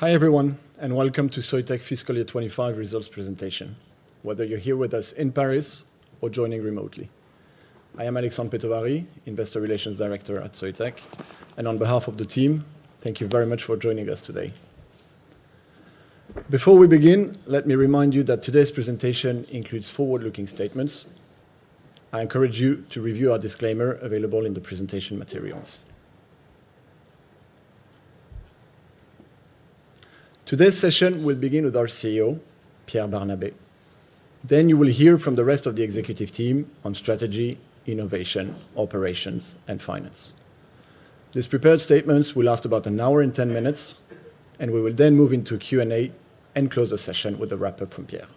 Hi everyone, and welcome to Soitec Fiscal Year 2025 Results Presentation, whether you're here with us in Paris or joining remotely. I am Alexandre Petovari, Investor Relations Director at Soitec, and on behalf of the team, thank you very much for joining us today. Before we begin, let me remind you that today's presentation includes forward-looking statements. I encourage you to review our disclaimer available in the presentation materials. Today's session will begin with our CEO, Pierre Barnabé. You will then hear from the rest of the executive team on strategy, innovation, operations, and finance. These prepared statements will last about an hour and 10 minutes, and we will then move into Q&A and close the session with a wrap-up from Pierre.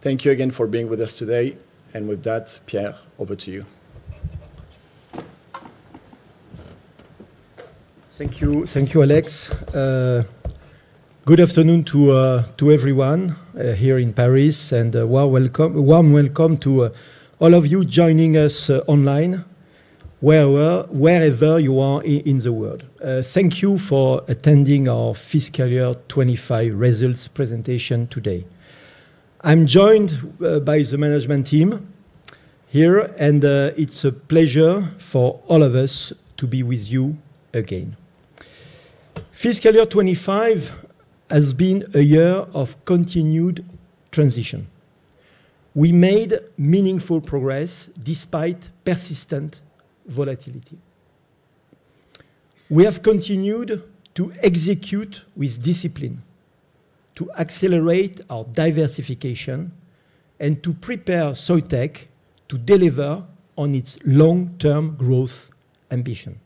Thank you again for being with us today, and with that, Pierre, over to you. Thank you, Alex. Good afternoon to everyone here in Paris, and a warm welcome to all of you joining us online, wherever you are in the world. Thank you for attending our fiscal year 2025 results presentation today. I'm joined by the management team here, and it's a pleasure for all of us to be with you again. Fiscal year 2025 has been a year of continued transition. We made meaningful progress despite persistent volatility. We have continued to execute with discipline, to accelerate our diversification, and to prepare Soitec to deliver on its long-term growth ambition.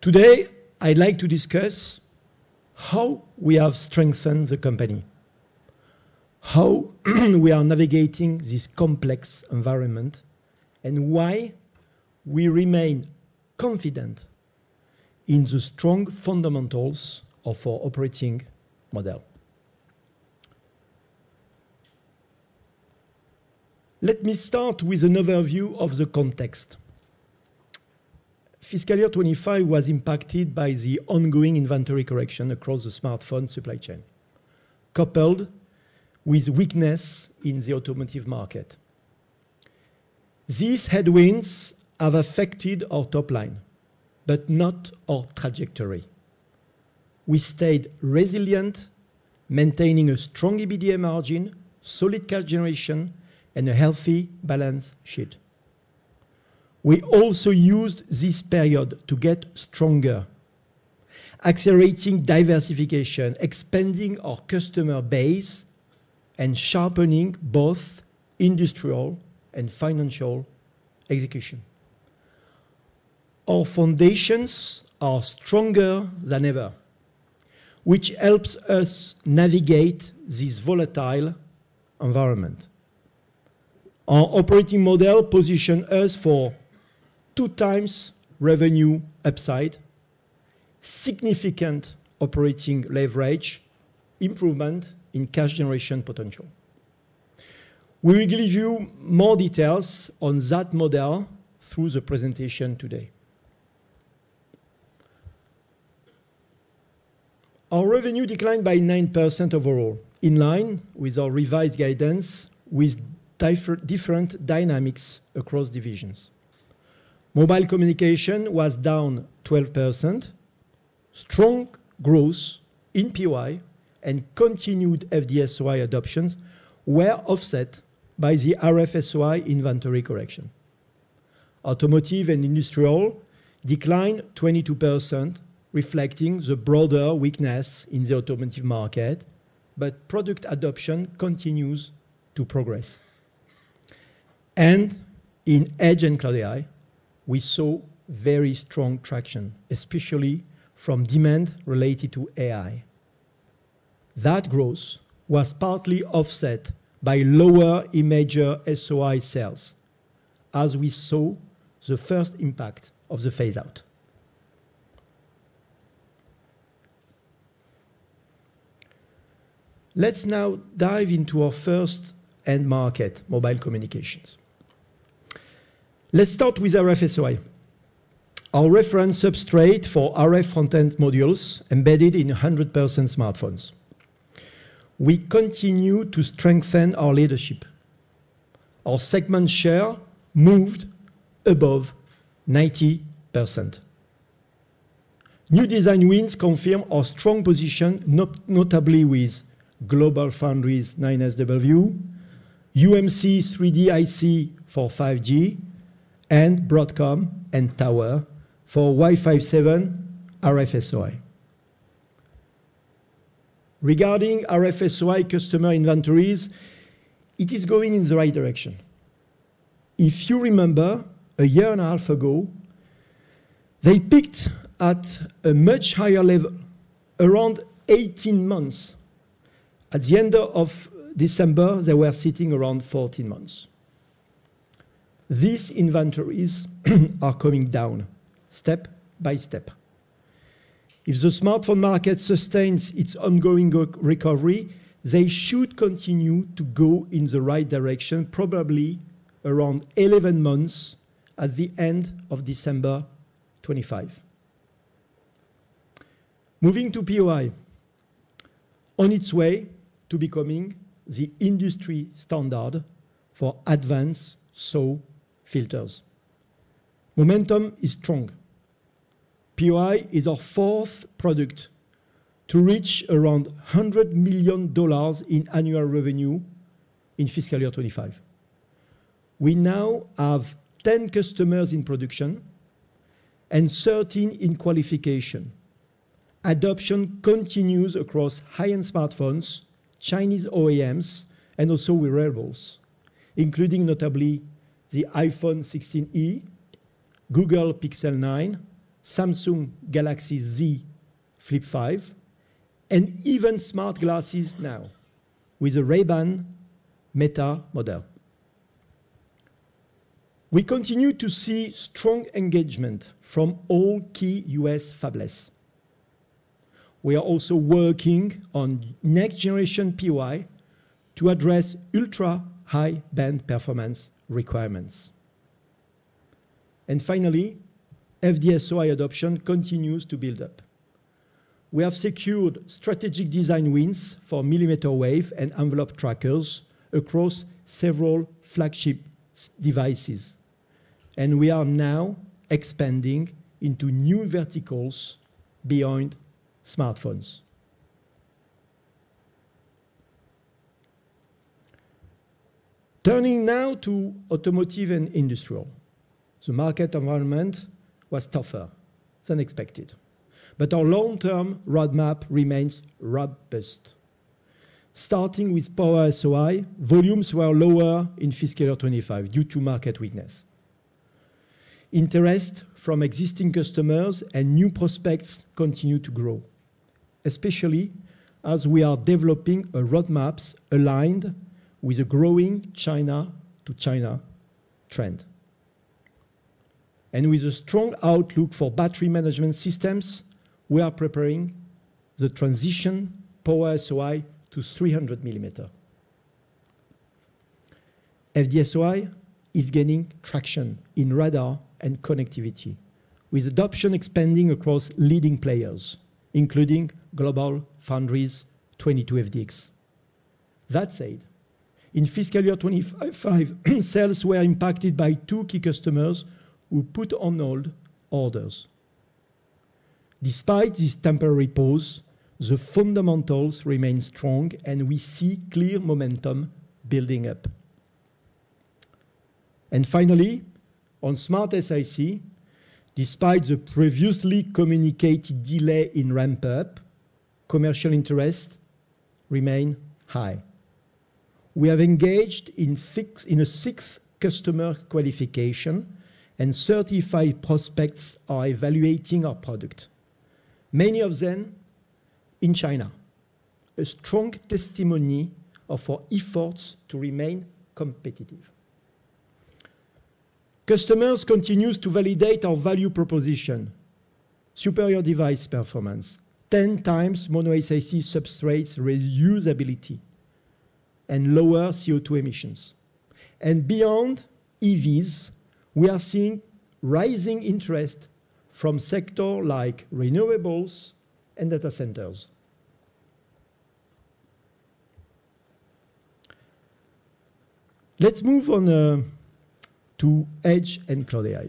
Today, I'd like to discuss how we have strengthened the company, how we are navigating this complex environment, and why we remain confident in the strong fundamentals of our operating model. Let me start with an overview of the context. Fiscal year 2025 was impacted by the ongoing inventory correction across the smartphone supply chain, coupled with weakness in the automotive market. These headwinds have affected our top line, but not our trajectory. We stayed resilient, maintaining a strong EBITDA margin, solid cash generation, and a healthy balance sheet. We also used this period to get stronger, accelerating diversification, expanding our customer base, and sharpening both industrial and financial execution. Our foundations are stronger than ever, which helps us navigate this volatile environment. Our operating model positioned us for two-times revenue upside, significant operating leverage, improvement in cash generation potential. We will give you more details on that model through the presentation today. Our revenue declined by 9% overall, in line with our revised guidance, with different dynamics across divisions. Mobile Communication was down 12%. Strong growth in POI and continued FD-SOI adoptions were offset by the RF-SOI inventory correction. Automotive and industrial declined 22%, reflecting the broader weakness in the automotive market, but product adoption continues to progress. In edge and cloud AI, we saw very strong traction, especially from demand related to AI. That growth was partly offset by lower Imager SOI sales, as we saw the first impact of the phase-out. Let's now dive into our first end market, mobile communications. Let's start with RF-SOI, our reference substrate for RF front-end modules embedded in 100% smartphones. We continue to strengthen our leadership. Our segment share moved above 90%. New design wins confirm our strong position, notably with GlobalFoundries 9SW, UMC 3D IC for 5G, and Broadcom and Tower for Wi-Fi 7 RF-SOI. Regarding RF-SOI customer inventories, it is going in the right direction. If you remember, a year and a half ago, they peaked at a much higher level, around 18 months. At the end of December, they were sitting around 14 months. These inventories are coming down step by step. If the smartphone market sustains its ongoing recovery, they should continue to go in the right direction, probably around 11 months at the end of December 2025. Moving to POI, on its way to becoming the industry standard for advanced SOI filters. Momentum is strong. POI is our fourth product to reach around $100 million in annual revenue in fiscal year 2025. We now have 10 customers in production and 13 in qualification. Adoption continues across high-end smartphones, Chinese OEMs, and also wearables, including notably the iPhone 16e, Google Pixel 9, Samsung Galaxy Z Flip 5, and even smart glasses now with the Ray-Ban Meta model. We continue to see strong engagement from all key US fabless. We are also working on next-generation POI to address ultra-high-band performance requirements. Finally, FD-SOI adoption continues to build up. We have secured strategic design wins for millimeter wave and envelope trackers across several flagship devices, and we are now expanding into new verticals beyond smartphones. Turning now to automotive and industrial, the market environment was tougher than expected, but our long-term roadmap remains robust. Starting with Power-SOI, volumes were lower in fiscal year 2025 due to market weakness. Interest from existing customers and new prospects continues to grow, especially as we are developing roadmaps aligned with a growing China-to-China trend. With a strong outlook for battery management systems, we are preparing the transition of Power-SOI to 300 mm. FD-SOI is gaining traction in radar and connectivity, with adoption expanding across leading players, including GlobalFoundries 22FDX. That said, in fiscal year 2025, sales were impacted by two key customers who put on hold orders. Despite this temporary pause, the fundamentals remain strong, and we see clear momentum building up. Finally, on SmartSiC, despite the previously communicated delay in ramp-up, commercial interest remains high. We have engaged in a sixth customer qualification, and 35 prospects are evaluating our product, many of them in China, a strong testimony of our efforts to remain competitive. Customers continue to validate our value proposition: superior device performance, 10x mono SiC substrates' reusability, and lower CO2 emissions. Beyond EVs, we are seeing rising interest from sectors like renewables and data centers. Let's move on to edge and cloud AI,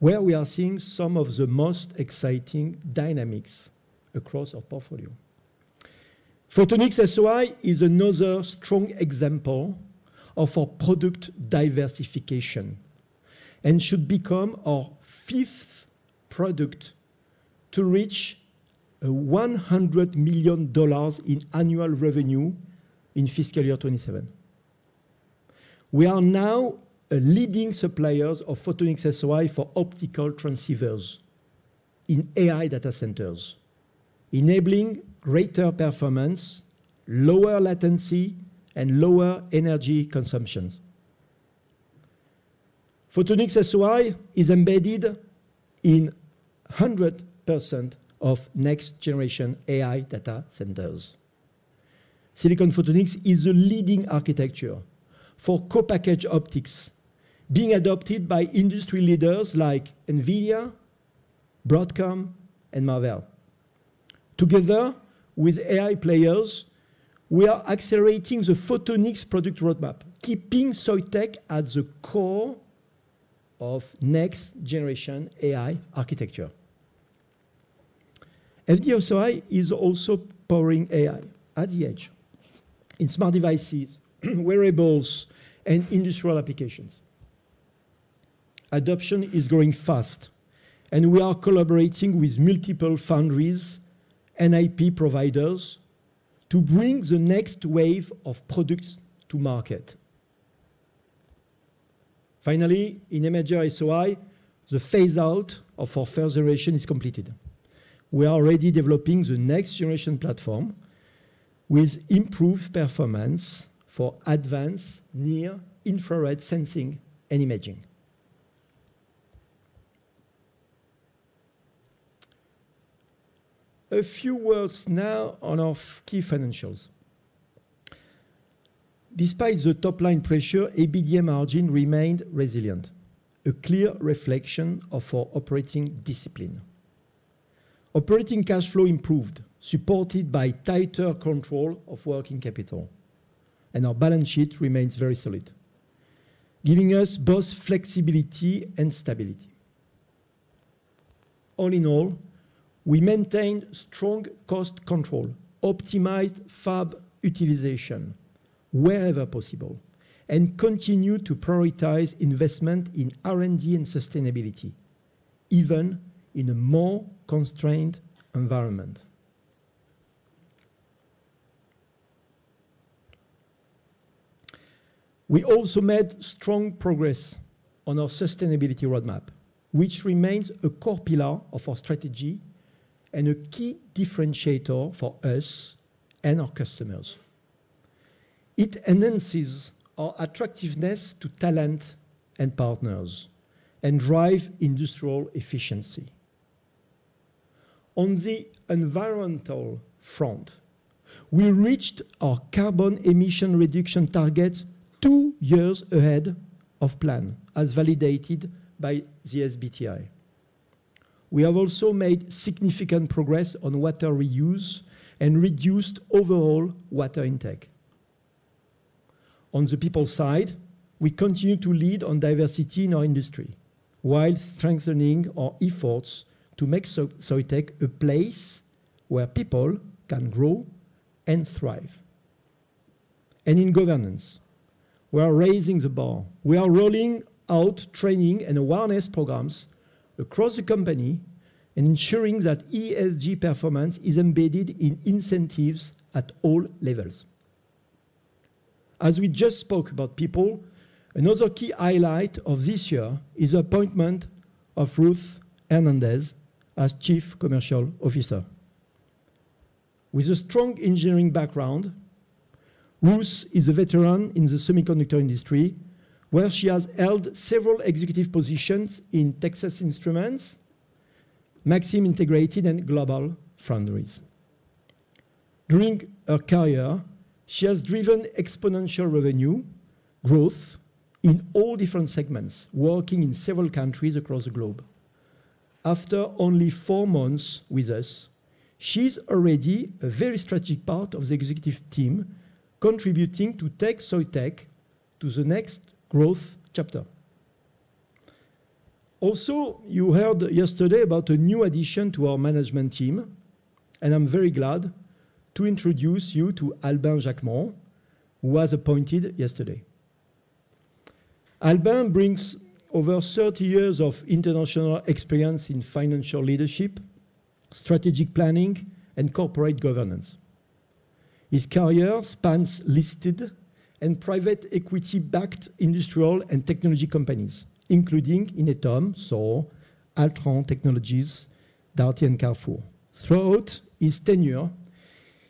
where we are seeing some of the most exciting dynamics across our portfolio. Photonics-SOI is another strong example of our product diversification and should become our fifth product to reach $100 million in annual revenue in fiscal year 2027. We are now leading suppliers of Photonics-SOI for optical transceivers in AI data centers, enabling greater performance, lower latency, and lower energy consumption. Photonics-SOI is embedded in 100% of next-generation AI data centers. Silicon Photonics is a leading architecture for co-package optics, being adopted by industry leaders like NVIDIA, Broadcom, and Marvell. Together with AI players, we are accelerating the Photonics product roadmap, keeping Soitec at the core of next-generation AI architecture. FD-SOI is also powering AI at the edge, in smart devices, wearables, and industrial applications. Adoption is growing fast, and we are collaborating with multiple foundries and IP providers to bring the next wave of products to market. Finally, in Imager-SOI, the phase-out of our first generation is completed. We are already developing the next-generation platform with improved performance for advanced near-infrared sensing and imaging. A few words now on our key financials. Despite the top-line pressure, EBITDA margin remained resilient, a clear reflection of our operating discipline. Operating cash flow improved, supported by tighter control of working capital, and our balance sheet remains very solid, giving us both flexibility and stability. All in all, we maintained strong cost control, optimized fab utilization wherever possible, and continue to prioritize investment in R&D and sustainability, even in a more constrained environment. We also made strong progress on our sustainability roadmap, which remains a core pillar of our strategy and a key differentiator for us and our customers. It enhances our attractiveness to talent and partners and drives industrial efficiency. On the environmental front, we reached our carbon emission reduction target two years ahead of plan, as validated by the SBTi. We have also made significant progress on water reuse and reduced overall water intake. On the people side, we continue to lead on diversity in our industry while strengthening our efforts to make Soitec a place where people can grow and thrive. In governance, we are raising the bar. We are rolling out training and awareness programs across the company and ensuring that ESG performance is embedded in incentives at all levels. As we just spoke about people, another key highlight of this year is the appointment of Ruth Hernandez as Chief Commercial Officer. With a strong engineering background, Ruth is a veteran in the semiconductor industry, where she has held several executive positions in Texas Instruments, Maxim Integrated, and GlobalFoundries. During her career, she has driven exponential revenue growth in all different segments, working in several countries across the globe. After only four months with us, she's already a very strategic part of the executive team, contributing to take Soitec to the next growth chapter. Also, you heard yesterday about a new addition to our management team, and I'm very glad to introduce you to Albin Jacquemont, who was appointed yesterday. Albin brings over 30 years of international experience in financial leadership, strategic planning, and corporate governance. His career spans listed and private equity-backed industrial and technology companies, including Inetum, SOH, Altron Technologies, Darty, and Carrefour. Throughout his tenure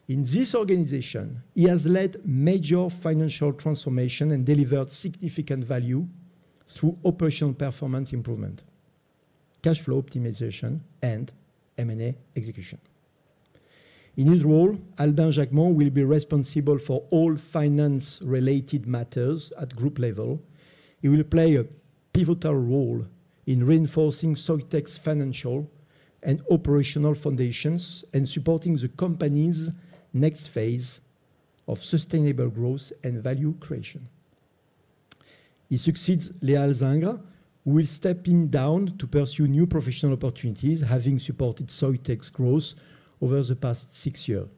in this organization, he has led major financial transformation and delivered significant value through operational performance improvement, cash flow optimization, and M&A execution. In his role, Albin Jacquemont will be responsible for all finance-related matters at group level. He will play a pivotal role in reinforcing Soitec's financial and operational foundations and supporting the company's next phase of sustainable growth and value creation. He succeeds Léa Alzingre, who will step down to pursue new professional opportunities, having supported Soitec's growth over the past six years.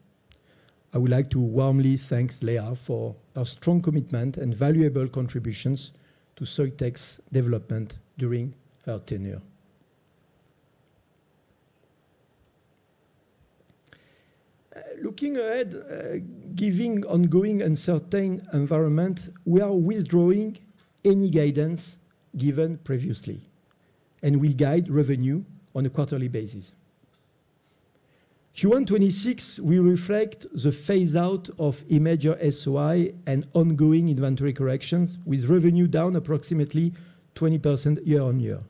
I would like to warmly thank Léa for her strong commitment and valuable contributions to Soitec's development during her tenure. Looking ahead, given the ongoing uncertain environment, we are withdrawing any guidance given previously and will guide revenue on a quarterly basis. Q1 2026, we reflect the phase-out of Imager-SOI and ongoing inventory corrections, with revenue down approximately 20% year on year.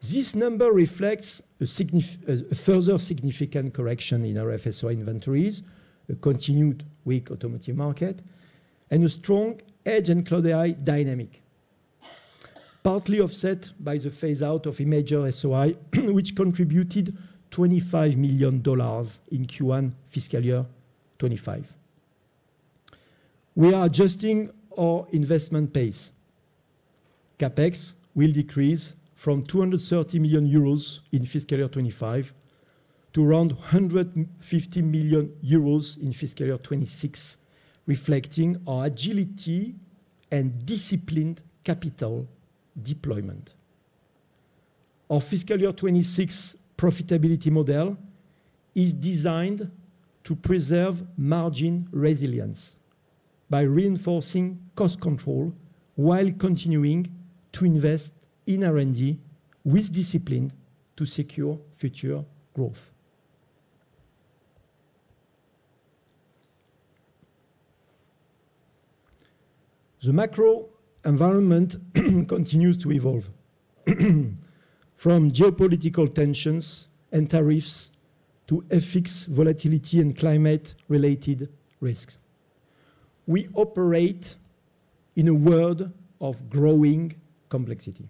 This number reflects a further significant correction in our FD-SOI inventories, a continued weak automotive market, and a strong edge and cloud AI dynamic, partly offset by the phase-out of Imager-SOI, which contributed $25 million in Q1 fiscal year 2025. We are adjusting our investment pace. CapEx will decrease from 230 million euros in fiscal year 2025 to around 150 million euros in fiscal year 2026, reflecting our agility and disciplined capital deployment. Our fiscal year 2026 profitability model is designed to preserve margin resilience by reinforcing cost control while continuing to invest in R&D with discipline to secure future growth. The macro environment continues to evolve from geopolitical tensions and tariffs to ethics, volatility, and climate-related risks. We operate in a world of growing complexity.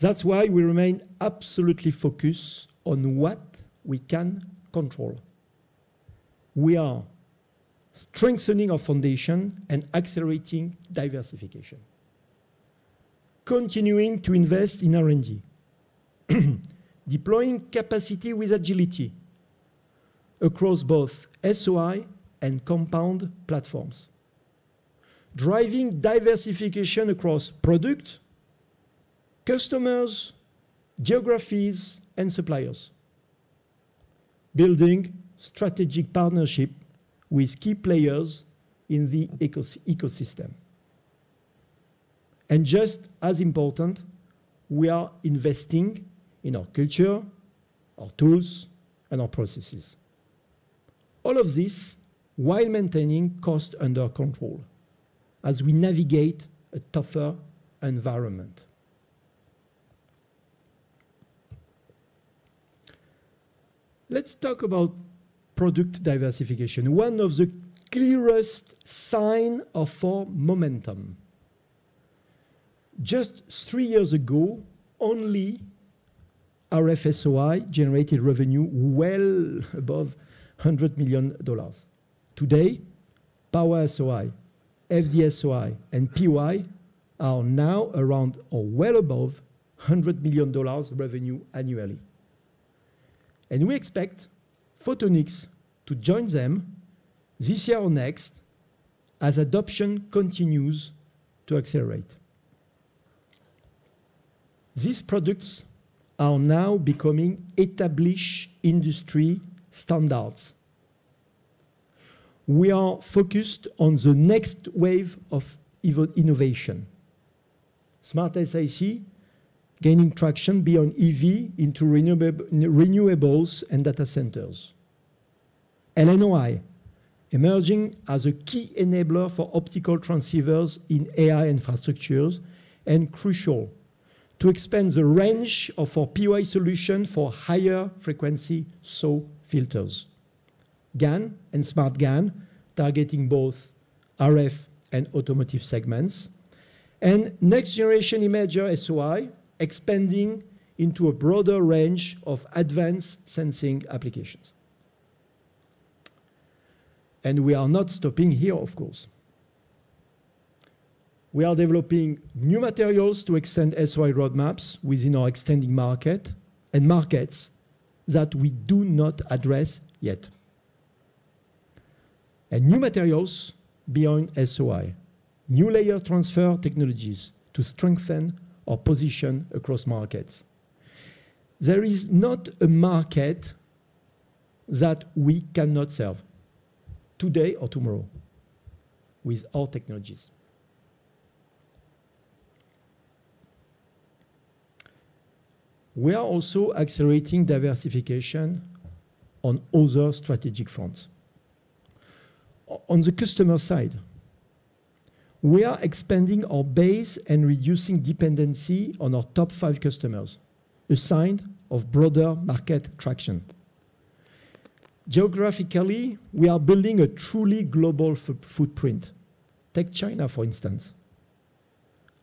That is why we remain absolutely focused on what we can control. We are strengthening our foundation and accelerating diversification, continuing to invest in R&D, deploying capacity with agility across both SOI and compound platforms, driving diversification across product, customers, geographies, and suppliers, building strategic partnerships with key players in the ecosystem. Just as important, we are investing in our culture, our tools, and our processes, all of this while maintaining cost under control as we navigate a tougher environment. Let's talk about product diversification, one of the clearest signs of our momentum. Just three years ago, only our FD-SOI generated revenue well above $100 million. Today, Power-SOI, FD-SOI, and POI are now around or well above $100 million revenue annually. We expect Photonics to join them this year or next as adoption continues to accelerate. These products are now becoming established industry standards. We are focused on the next wave of innovation: Smart SiC gaining traction beyond EV into renewables and data centers, LNOI emerging as a key enabler for optical transceivers in AI infrastructures and crucial to expand the range of our POI solution for higher-frequency SOI filters, GaN and SmartGaN targeting both RF and automotive segments, and next-generation Imager SOI expanding into a broader range of advanced sensing applications. We are not stopping here, of course. We are developing new materials to extend SOI roadmaps within our existing market and markets that we do not address yet, and new materials beyond SOI, new layer transfer technologies to strengthen our position across markets. There is not a market that we cannot serve today or tomorrow with our technologies. We are also accelerating diversification on other strategic fronts. On the customer side, we are expanding our base and reducing dependency on our top five customers, a sign of broader market traction. Geographically, we are building a truly global footprint. Take China, for instance.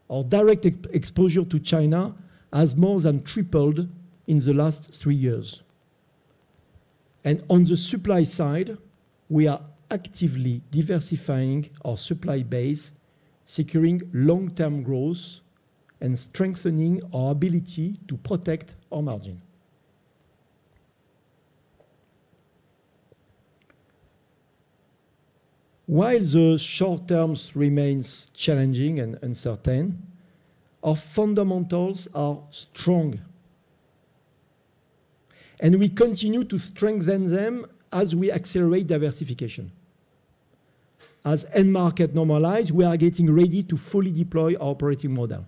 Our direct exposure to China has more than tripled in the last three years. On the supply side, we are actively diversifying our supply base, securing long-term growth and strengthening our ability to protect our margin. While the short term remains challenging and uncertain, our fundamentals are strong, and we continue to strengthen them as we accelerate diversification. As end markets normalize, we are getting ready to fully deploy our operating model.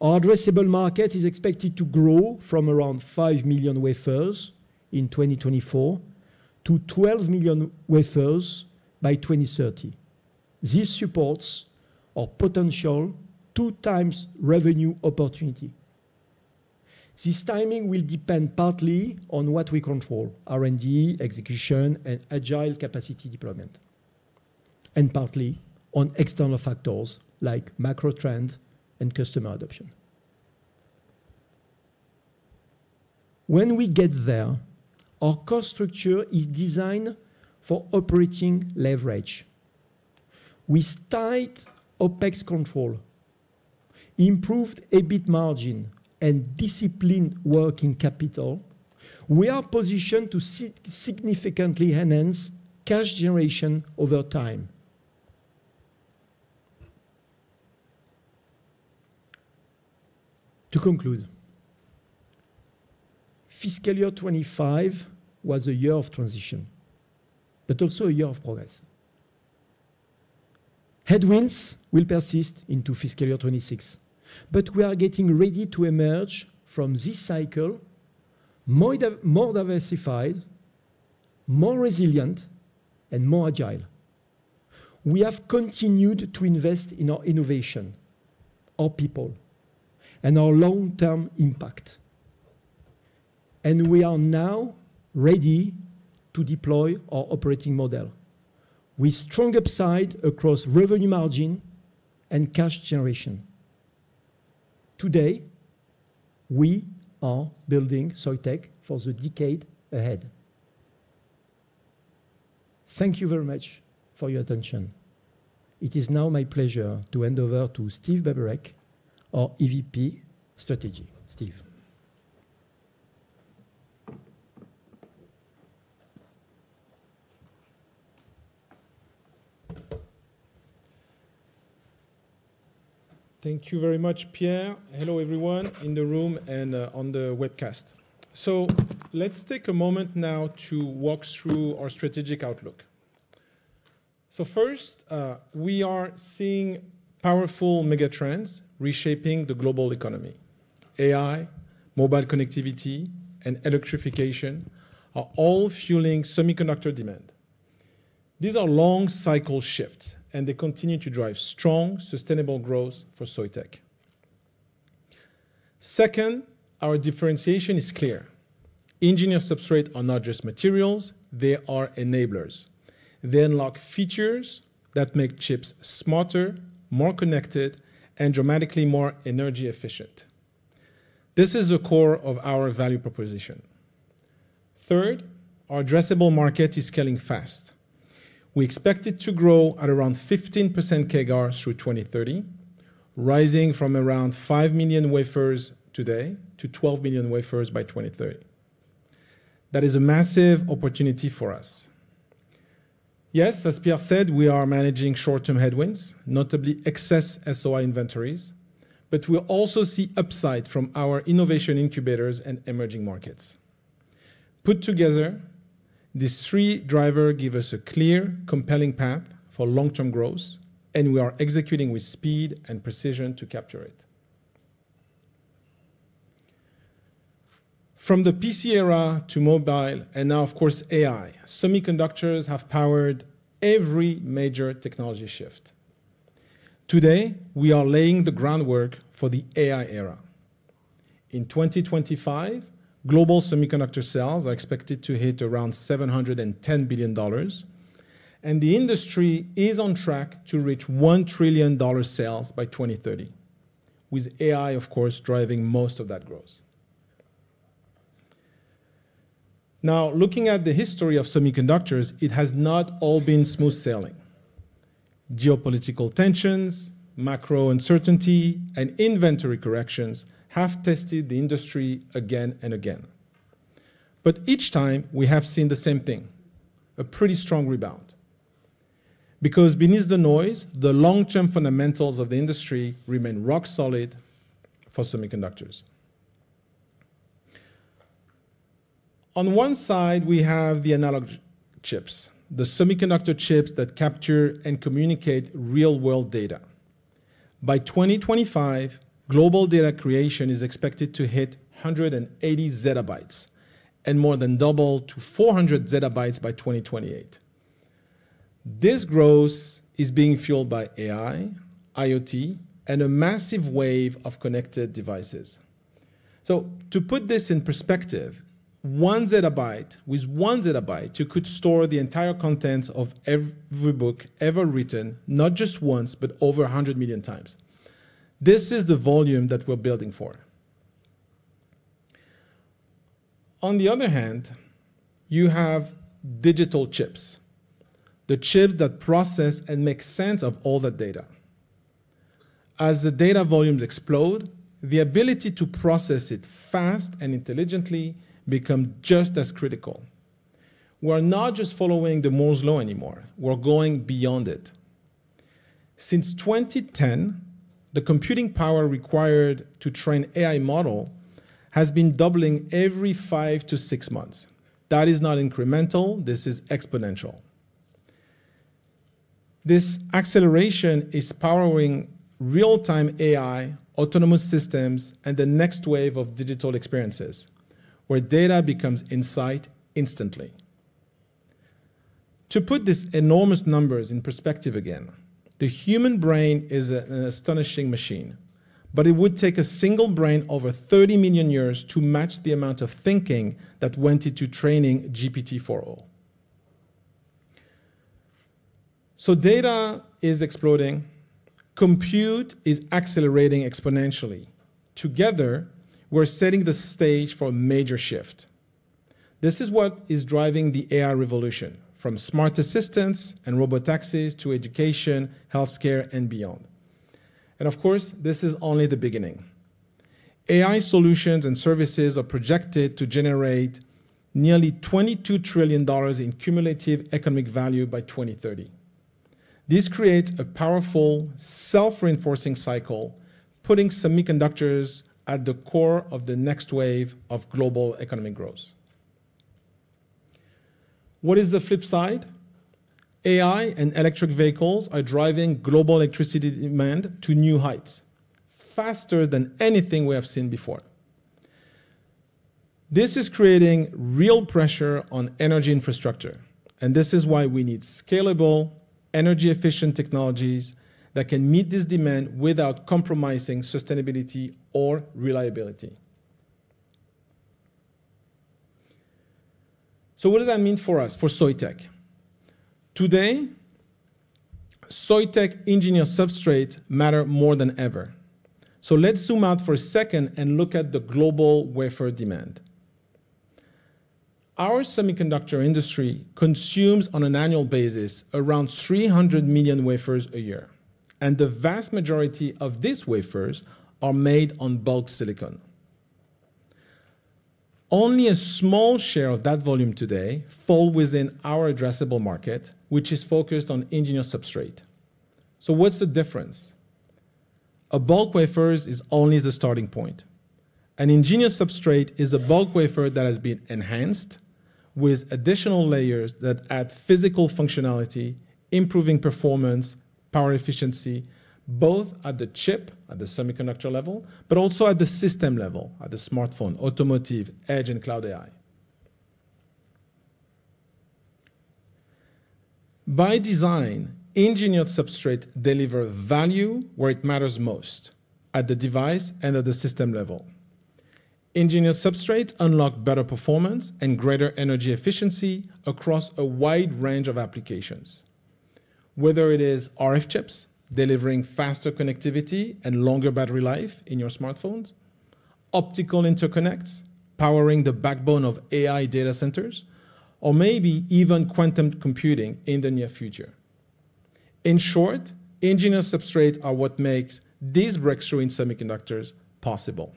Our addressable market is expected to grow from around 5 million wafers in 2024 to 12 million wafers by 2030. This supports our potential two-times revenue opportunity. This timing will depend partly on what we control: R&D, execution, and agile capacity deployment, and partly on external factors like macro trends and customer adoption. When we get there, our cost structure is designed for operating leverage. With tight OpEx control, improved EBIT margin, and disciplined working capital, we are positioned to significantly enhance cash generation over time. To conclude, fiscal year 2025 was a year of transition, but also a year of progress. Headwinds will persist into fiscal year 2026, but we are getting ready to emerge from this cycle more diversified, more resilient, and more agile. We have continued to invest in our innovation, our people, and our long-term impact. We are now ready to deploy our operating model with strong upside across revenue margin and cash generation. Today, we are building Soitec for the decade ahead. Thank you very much for your attention. It is now my pleasure to hand over to Steve Babureck, our EVP Strategy. Steve. Thank you very much, Pierre. Hello, everyone in the room and on the webcast. Let's take a moment now to walk through our strategic outlook. First, we are seeing powerful megatrends reshaping the global economy. AI, mobile connectivity, and electrification are all fueling semiconductor demand. These are long-cycle shifts, and they continue to drive strong, sustainable growth for Soitec. Second, our differentiation is clear. Engineered substrates are not just materials; they are enablers. They unlock features that make chips smarter, more connected, and dramatically more energy efficient. This is the core of our value proposition. Third, our addressable market is scaling fast. We expect it to grow at around 15% CAGR through 2030, rising from around 5 million wafers today to 12 million wafers by 2030. That is a massive opportunity for us. Yes, as Pierre said, we are managing short-term headwinds, notably excess SOI inventories, but we also see upside from our innovation incubators and emerging markets. Put together, these three drivers give us a clear, compelling path for long-term growth, and we are executing with speed and precision to capture it. From the PC era to mobile, and now, of course, AI, semiconductors have powered every major technology shift. Today, we are laying the groundwork for the AI era. In 2025, global semiconductor sales are expected to hit around $710 billion, and the industry is on track to reach $1 trillion sales by 2030, with AI, of course, driving most of that growth. Now, looking at the history of semiconductors, it has not all been smooth sailing. Geopolitical tensions, macro uncertainty, and inventory corrections have tested the industry again and again. Each time, we have seen the same thing: a pretty strong rebound. Because beneath the noise, the long-term fundamentals of the industry remain rock solid for semiconductors. On one side, we have the analog chips, the semiconductor chips that capture and communicate real-world data. By 2025, global data creation is expected to hit 180 zettabytes and more than double to 400 zettabytes by 2028. This growth is being fueled by AI, IoT, and a massive wave of connected devices. To put this in perspective, one zettabyte could store the entire contents of every book ever written, not just once, but over 100 million times. This is the volume that we're building for. On the other hand, you have digital chips, the chips that process and make sense of all that data. As the data volumes explode, the ability to process it fast and intelligently becomes just as critical. We're not just following Moore's Law anymore. We're going beyond it. Since 2010, the computing power required to train an AI model has been doubling every five to six months. That is not incremental. This is exponential. This acceleration is powering real-time AI, autonomous systems, and the next wave of digital experiences where data becomes insight instantly. To put these enormous numbers in perspective again, the human brain is an astonishing machine, but it would take a single brain over 30 million years to match the amount of thinking that went into training GPT-4o. Data is exploding. Compute is accelerating exponentially. Together, we're setting the stage for a major shift. This is what is driving the AI revolution from smart assistants and robotaxis to education, healthcare, and beyond. Of course, this is only the beginning. AI solutions and services are projected to generate nearly $22 trillion in cumulative economic value by 2030. This creates a powerful self-reinforcing cycle, putting semiconductors at the core of the next wave of global economic growth. What is the flip side? AI and electric vehicles are driving global electricity demand to new heights, faster than anything we have seen before. This is creating real pressure on energy infrastructure, and this is why we need scalable, energy-efficient technologies that can meet this demand without compromising sustainability or reliability. What does that mean for us, for Soitec? Today, Soitec engineered substrates matter more than ever. Let's zoom out for a second and look at the global wafer demand. Our semiconductor industry consumes on an annual basis around 300 million wafers a year, and the vast majority of these wafers are made on bulk silicon. Only a small share of that volume today falls within our addressable market, which is focused on engineered substrate. What's the difference? A bulk wafer is only the starting point. An engineered substrate is a bulk wafer that has been enhanced with additional layers that add physical functionality, improving performance, power efficiency, both at the chip, at the semiconductor level, but also at the system level, at the smartphone, automotive, edge, and cloud AI. By design, engineered substrates deliver value where it matters most, at the device and at the system level. Engineered substrates unlock better performance and greater energy efficiency across a wide range of applications, whether it is RF chips delivering faster connectivity and longer battery life in your smartphones, optical interconnects powering the backbone of AI data centers, or maybe even quantum computing in the near future. In short, engineered substrates are what makes these breakthroughs in semiconductors possible.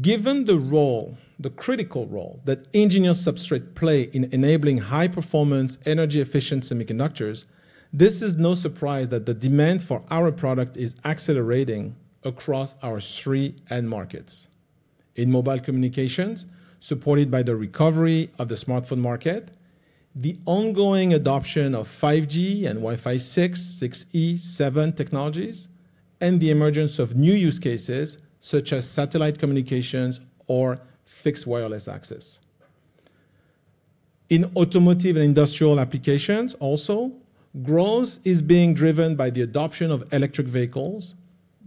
Given the role, the critical role that engineered substrates play in enabling high-performance, energy-efficient semiconductors, this is no surprise that the demand for our product is accelerating across our three end markets. In mobile communications, supported by the recovery of the smartphone market, the ongoing adoption of 5G and Wi-Fi 6, 6E, 7 technologies, and the emergence of new use cases such as satellite communications or fixed wireless access. In automotive and industrial applications also, growth is being driven by the adoption of electric vehicles,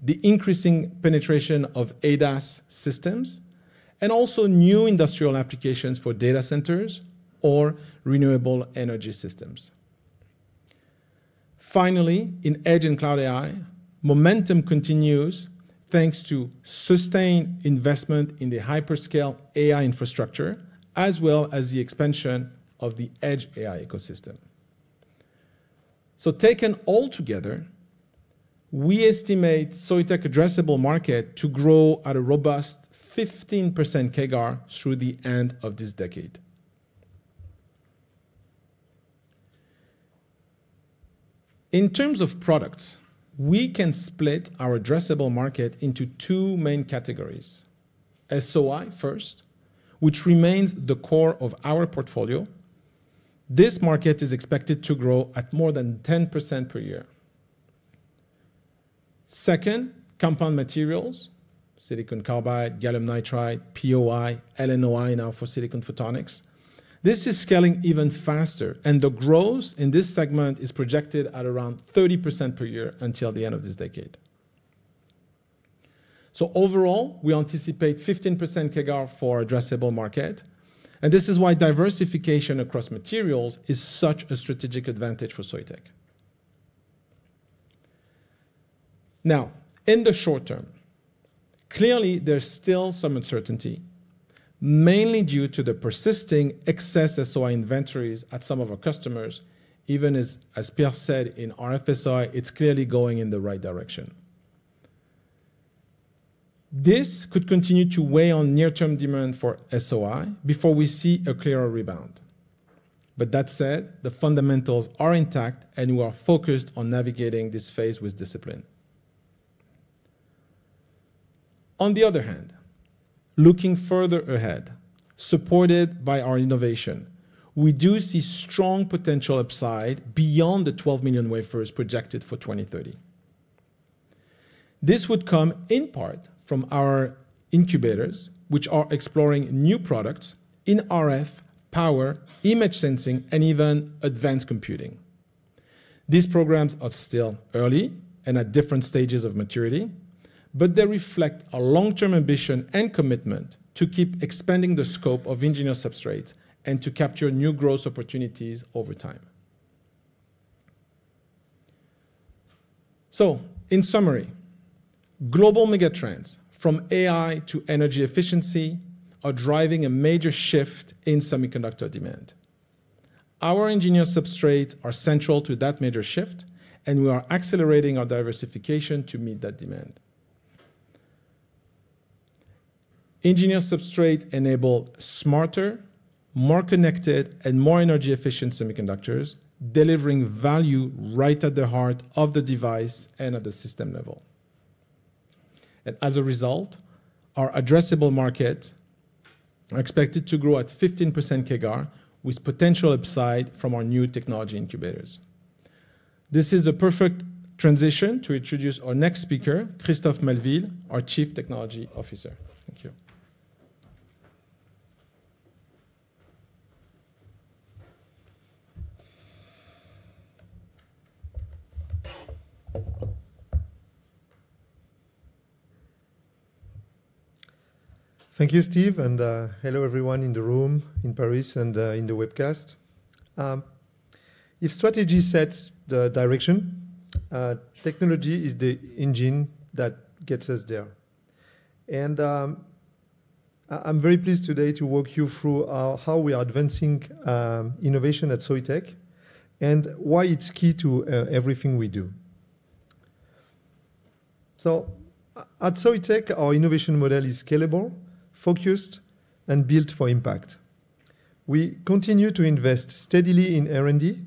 the increasing penetration of ADAS systems, and also new industrial applications for data centers or renewable energy systems. Finally, in edge and cloud AI, momentum continues thanks to sustained investment in the hyperscale AI infrastructure, as well as the expansion of the edge AI ecosystem. Taken all together, we estimate Soitec's addressable market to grow at a robust 15% CAGR through the end of this decade. In terms of products, we can split our addressable market into two main categories: SOI first, which remains the core of our portfolio. This market is expected to grow at more than 10% per year. Second, compound materials: silicon carbide, gallium nitride, POI, LNOI, now for silicon photonics. This is scaling even faster, and the growth in this segment is projected at around 30% per year until the end of this decade. Overall, we anticipate 15% CAGR for our addressable market, and this is why diversification across materials is such a strategic advantage for Soitec. Now, in the short term, clearly, there's still some uncertainty, mainly due to the persisting excess SOI inventories at some of our customers. Even as Pierre said in RF-SOI, it's clearly going in the right direction. This could continue to weigh on near-term demand for SOI before we see a clearer rebound. That said, the fundamentals are intact, and we are focused on navigating this phase with discipline. On the other hand, looking further ahead, supported by our innovation, we do see strong potential upside beyond the 12 million wafers projected for 2030. This would come in part from our incubators, which are exploring new products in RF, power, image sensing, and even advanced computing. These programs are still early and at different stages of maturity, but they reflect our long-term ambition and commitment to keep expanding the scope of engineered substrates and to capture new growth opportunities over time. In summary, global megatrends, from AI to energy efficiency, are driving a major shift in semiconductor demand. Our engineered substrates are central to that major shift, and we are accelerating our diversification to meet that demand. Engineered substrates enable smarter, more connected, and more energy-efficient semiconductors, delivering value right at the heart of the device and at the system level. As a result, our addressable market is expected to grow at 15% CAGR, with potential upside from our new technology incubators. This is a perfect transition to introduce our next speaker, Christophe Maleville, our Chief Technology Officer. Thank you. Thank you, Steve, and hello everyone in the room, in Paris, and in the webcast. If strategy sets the direction, technology is the engine that gets us there. I am very pleased today to walk you through how we are advancing innovation at Soitec and why it is key to everything we do. At Soitec, our innovation model is scalable, focused, and built for impact. We continue to invest steadily in R&D,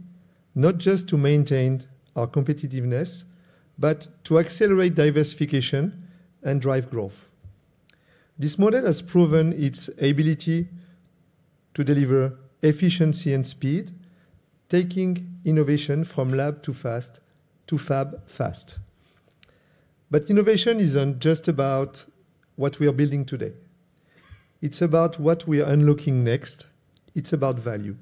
not just to maintain our competitiveness, but to accelerate diversification and drive growth. This model has proven its ability to deliver efficiency and speed, taking innovation from lab to fab fast. Innovation is not just about what we are building today. It is about what we are unlocking next. It is about value.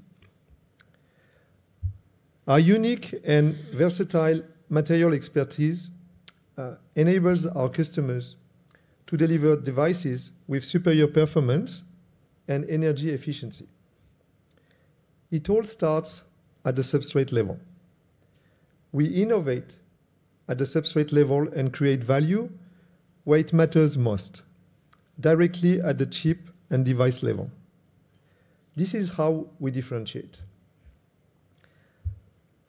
Our unique and versatile material expertise enables our customers to deliver devices with superior performance and energy efficiency. It all starts at the substrate level. We innovate at the substrate level and create value where it matters most, directly at the chip and device level. This is how we differentiate.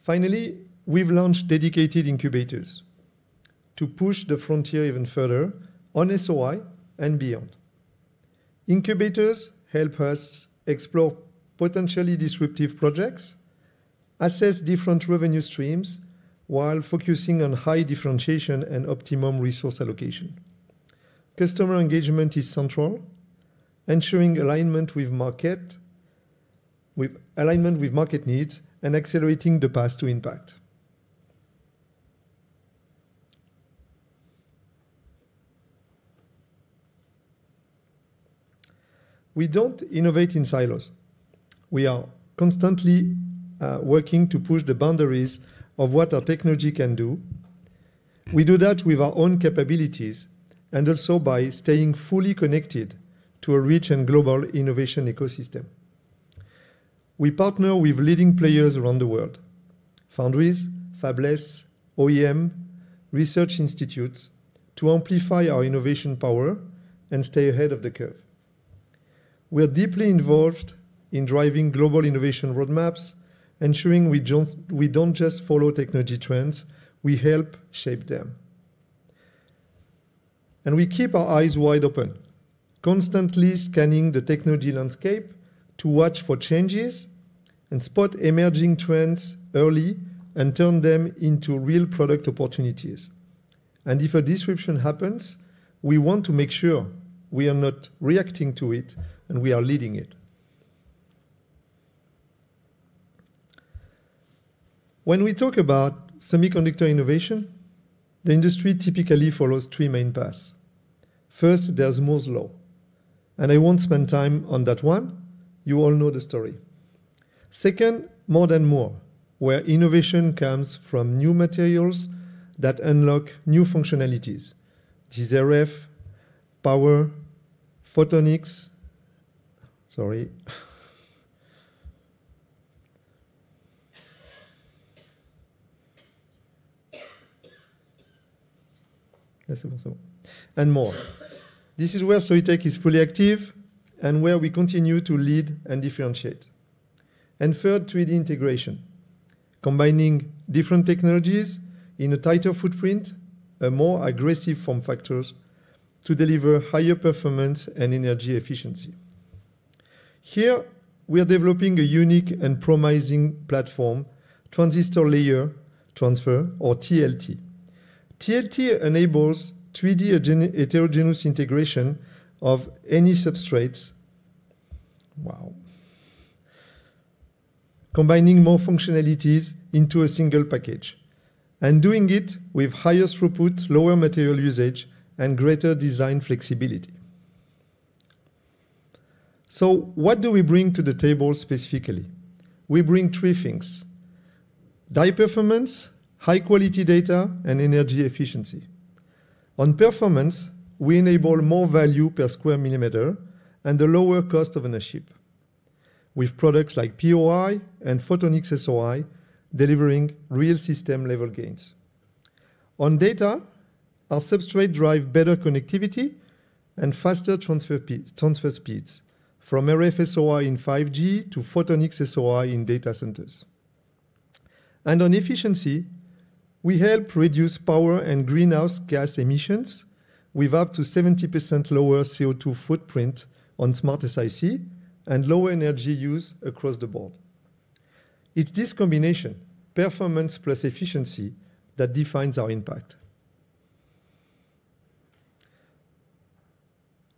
Finally, we have launched dedicated incubators to push the frontier even further on SOI and beyond. Incubators help us explore potentially disruptive projects, assess different revenue streams while focusing on high differentiation and optimum resource allocation. Customer engagement is central, ensuring alignment with market needs and accelerating the path to impact. We do not innovate in silos. We are constantly working to push the boundaries of what our technology can do. We do that with our own capabilities and also by staying fully connected to a rich and global innovation ecosystem. We partner with leading players around the world: foundries, fabless, OEM, research institutes to amplify our innovation power and stay ahead of the curve. We're deeply involved in driving global innovation roadmaps, ensuring we do not just follow technology trends. We help shape them. We keep our eyes wide open, constantly scanning the technology landscape to watch for changes and spot emerging trends early and turn them into real product opportunities. If a disruption happens, we want to make sure we are not reacting to it and we are leading it. When we talk about semiconductor innovation, the industry typically follows three main paths. First, there is Moore's Law, and I will not spend time on that one. You all know the story. Second, more than more, where innovation comes from new materials that unlock new functionalities: GCRF, power, photonics. Sorry. And more. This is where Soitec is fully active and where we continue to lead and differentiate. Third, 3D integration, combining different technologies in a tighter footprint, more aggressive form factors to deliver higher performance and energy efficiency. Here, we are developing a unique and promising platform, transistor layer transfer, or TLT. TLT enables 3D heterogeneous integration of any substrates. Wow. Combining more functionalities into a single package and doing it with higher throughput, lower material usage, and greater design flexibility. What do we bring to the table specifically? We bring three things: high performance, high-quality data, and energy efficiency. On performance, we enable more value per square millimeter and a lower cost of a chip, with products like POI and Photonics-SOI delivering real system-level gains. On data, our substrate drives better connectivity and faster transfer speeds, from RF-SOI in 5G to Photonics-SOI in data centers. On efficiency, we help reduce power and greenhouse gas emissions with up to 70% lower CO2 footprint on SmartSiC and lower energy use across the board. It is this combination, performance plus efficiency, that defines our impact.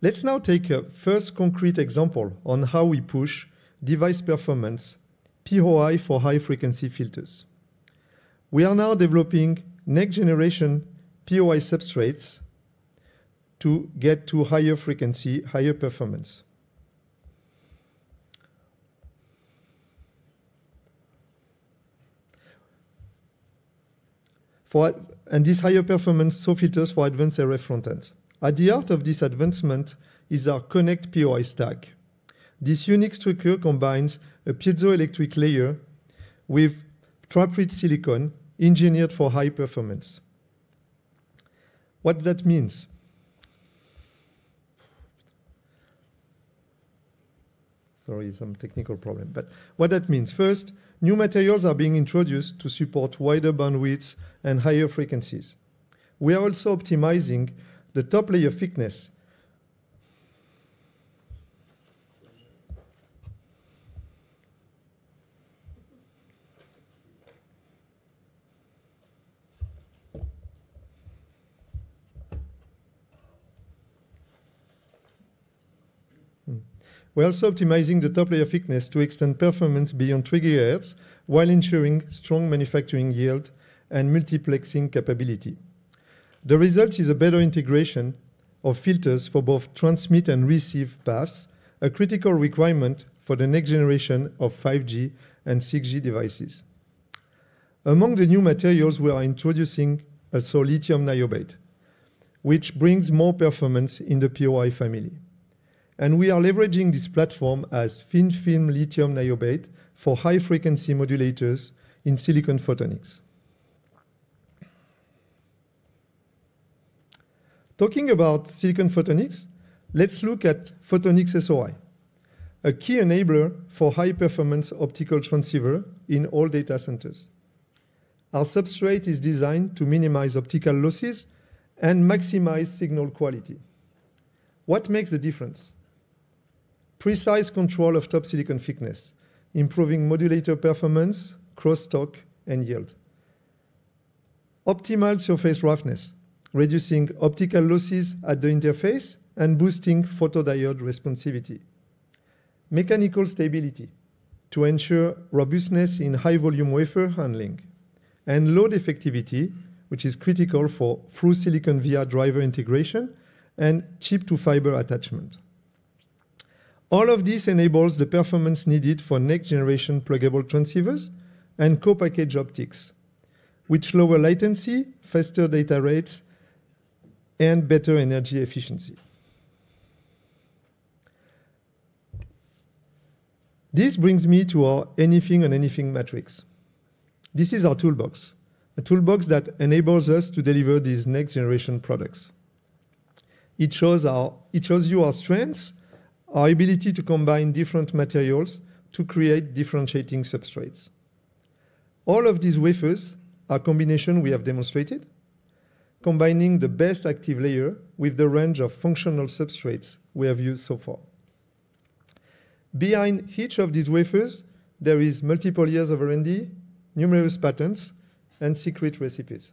Let's now take a first concrete example on how we push device performance, POI for high-frequency filters. We are now developing next-generation POI substrates to get to higher frequency, higher performance. These higher performance filters are for advanced RF front ends. At the heart of this advancement is our Connect POI stack. This unique structure combines a piezoelectric layer with trap-rich silicon engineered for high performance. What does that mean? Sorry, some technical problem. What that means, first, new materials are being introduced to support wider bandwidths and higher frequencies. We are also optimizing the top layer thickness. We're also optimizing the top layer thickness to extend performance beyond 30 Hz while ensuring strong manufacturing yield and multiplexing capability. The result is a better integration of filters for both transmit and receive paths, a critical requirement for the next generation of 5G and 6G devices. Among the new materials, we are introducing a lithium niobate, which brings more performance in the POI family. We are leveraging this platform as thin-film lithium niobate for high-frequency modulators in silicon photonics. Talking about silicon photonics, let's look at Photonics-SOI, a key enabler for high-performance optical transceiver in all data centers. Our substrate is designed to minimize optical losses and maximize signal quality. What makes the difference? Precise control of top silicon thickness, improving modulator performance, cross-talk, and yield. Optimal surface roughness, reducing optical losses at the interface and boosting photodiode responsivity. Mechanical stability to ensure robustness in high-volume wafer handling and load effectivity, which is critical for through silicon via driver integration and chip-to-fiber attachment. All of this enables the performance needed for next-generation pluggable transceivers and co-package optics, which lower latency, faster data rates, and better energy efficiency. This brings me to our anything and anything matrix. This is our toolbox, a toolbox that enables us to deliver these next-generation products. It shows you our strengths, our ability to combine different materials to create differentiating substrates. All of these wafers are a combination we have demonstrated, combining the best active layer with the range of functional substrates we have used so far. Behind each of these wafers, there are multiple years of R&D, numerous patents, and secret recipes.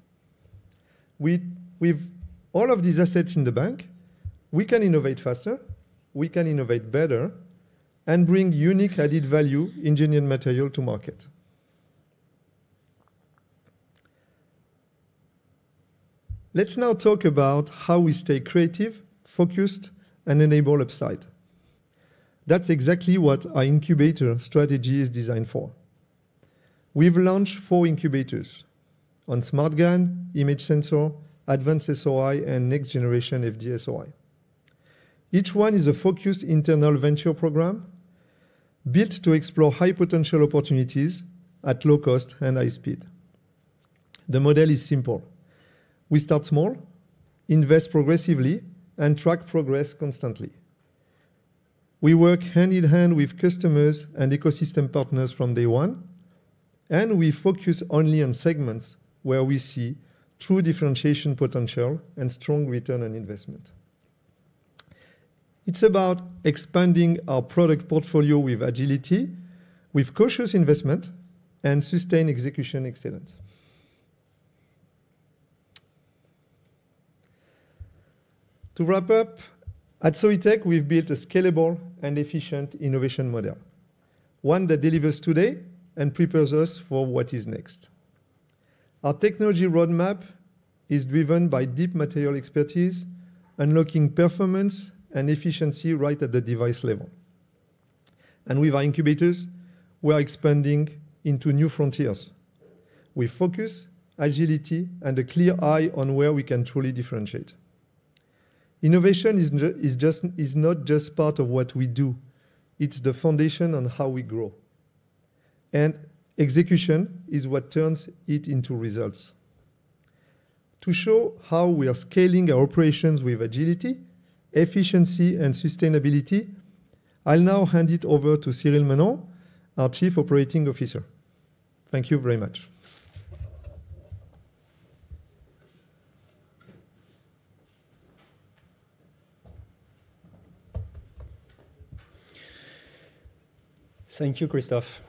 With all of these assets in the bank, we can innovate faster, we can innovate better, and bring unique added value engineered material to market. Let's now talk about how we stay creative, focused, and enable upside. That's exactly what our incubator strategy is designed for. We've launched four incubators on SmartGaN, image sensor, advanced SOI, and next-generation FD-SOI. Each one is a focused internal venture program built to explore high potential opportunities at low cost and high speed. The model is simple. We start small, invest progressively, and track progress constantly. We work hand in hand with customers and ecosystem partners from day one, and we focus only on segments where we see true differentiation potential and strong return on investment. It's about expanding our product portfolio with agility, with cautious investment, and sustained execution excellence. To wrap up, at Soitec, we've built a scalable and efficient innovation model, one that delivers today and prepares us for what is next. Our technology roadmap is driven by deep material expertise, unlocking performance and efficiency right at the device level. With our incubators, we are expanding into new frontiers with focus, agility, and a clear eye on where we can truly differentiate. Innovation is not just part of what we do. It's the foundation on how we grow. Execution is what turns it into results. To show how we are scaling our operations with agility, efficiency, and sustainability, I'll now hand it over to Cyril Menon, our Chief Operating Officer. Thank you very much. Thank you, Christophe.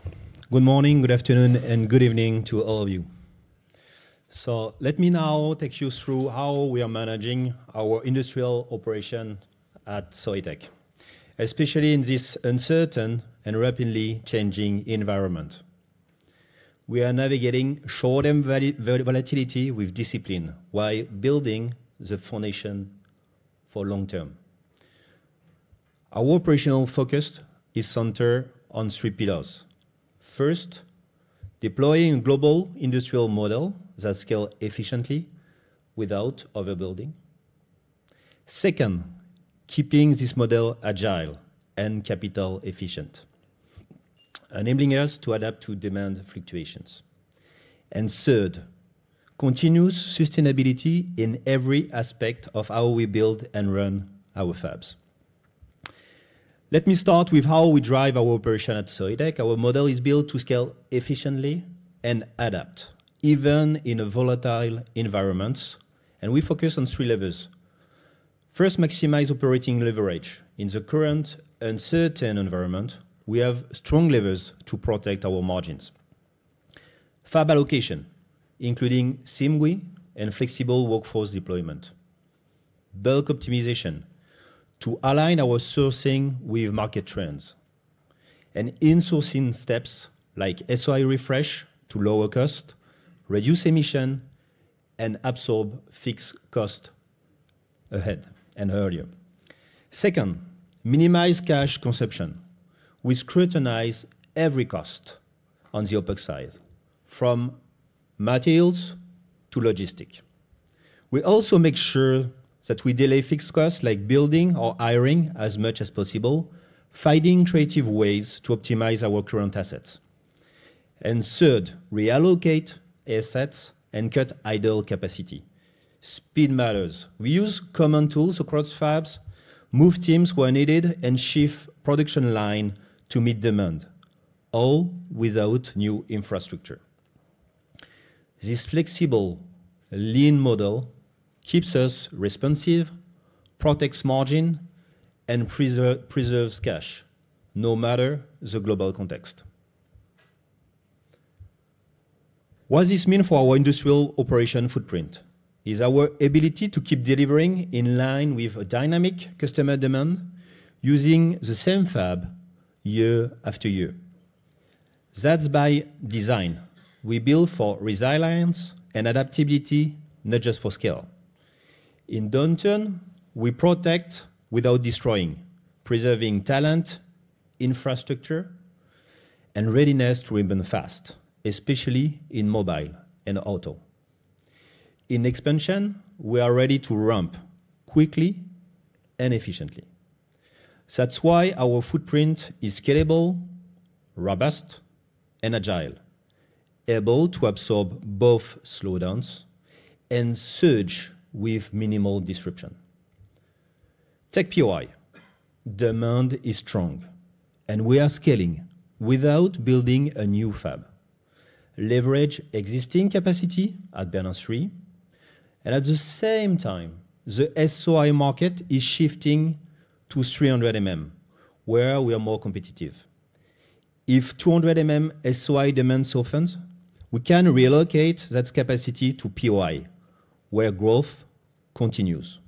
Good morning, good afternoon, and good evening to all of you. Let me now take you through how we are managing our industrial operation at Soitec, especially in this uncertain and rapidly changing environment. We are navigating short-term volatility with discipline while building the foundation for long-term. Our operational focus is centered on three pillars. First, deploying a global industrial model that scales efficiently without overbuilding. Second, keeping this model agile and capital-efficient, enabling us to adapt to demand fluctuations. Third, continuous sustainability in every aspect of how we build and run our fabs. Let me start with how we drive our operation at Soitec. Our model is built to scale efficiently and adapt, even in volatile environments. We focus on three levers. First, maximize operating leverage. In the current uncertain environment, we have strong levers to protect our margins. Fab allocation, including SIMGUI and flexible workforce deployment. Bulk optimization to align our sourcing with market trends and in-sourcing steps like SOI refresh to lower cost, reduce emission, and absorb fixed costs ahead and earlier. Second, minimize cash consumption. We scrutinize every cost on the opposite side, from materials to logistics. We also make sure that we delay fixed costs like building or hiring as much as possible, finding creative ways to optimize our current assets. Third, reallocate assets and cut idle capacity. Speed matters. We use common tools across fabs, move teams where needed, and shift production lines to meet demand, all without new infrastructure. This flexible, lean model keeps us responsive, protects margin, and preserves cash no matter the global context. What this means for our industrial operation footprint is our ability to keep delivering in line with a dynamic customer demand using the same fab year after year. That is by design. We build for resilience and adaptability, not just for scale. In downturn, we protect without destroying, preserving talent, infrastructure, and readiness to rebuild fast, especially in mobile and auto. In expansion, we are ready to ramp quickly and efficiently. That is why our footprint is scalable, robust, and agile, able to absorb both slowdowns and surge with minimal disruption. Tech POI demand is strong, and we are scaling without building a new fab. Leverage existing capacity at Bernin 3. At the same time, the SOI market is shifting to 300 mm where we are more competitive. If 200 mm SOI demand softens, we can relocate that capacity to POI where growth continues.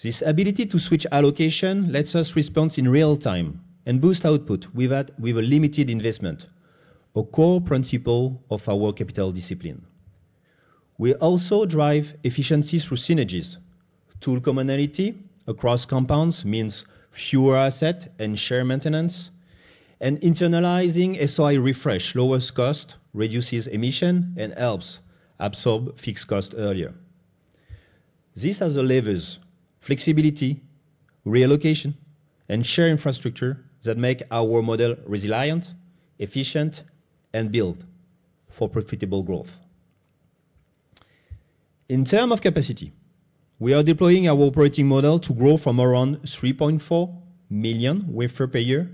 This ability to switch allocation lets us respond in real time and boost output with a limited investment, a core principle of our capital discipline. We also drive efficiency through synergies. Tool commonality across compounds means fewer assets and shared maintenance, and internalizing SOI refresh lowers cost, reduces emissions, and helps absorb fixed costs earlier. These are the levers: flexibility, reallocation, and shared infrastructure that make our model resilient, efficient, and built for profitable growth. In terms of capacity, we are deploying our operating model to grow from around 3.4 million wafers per year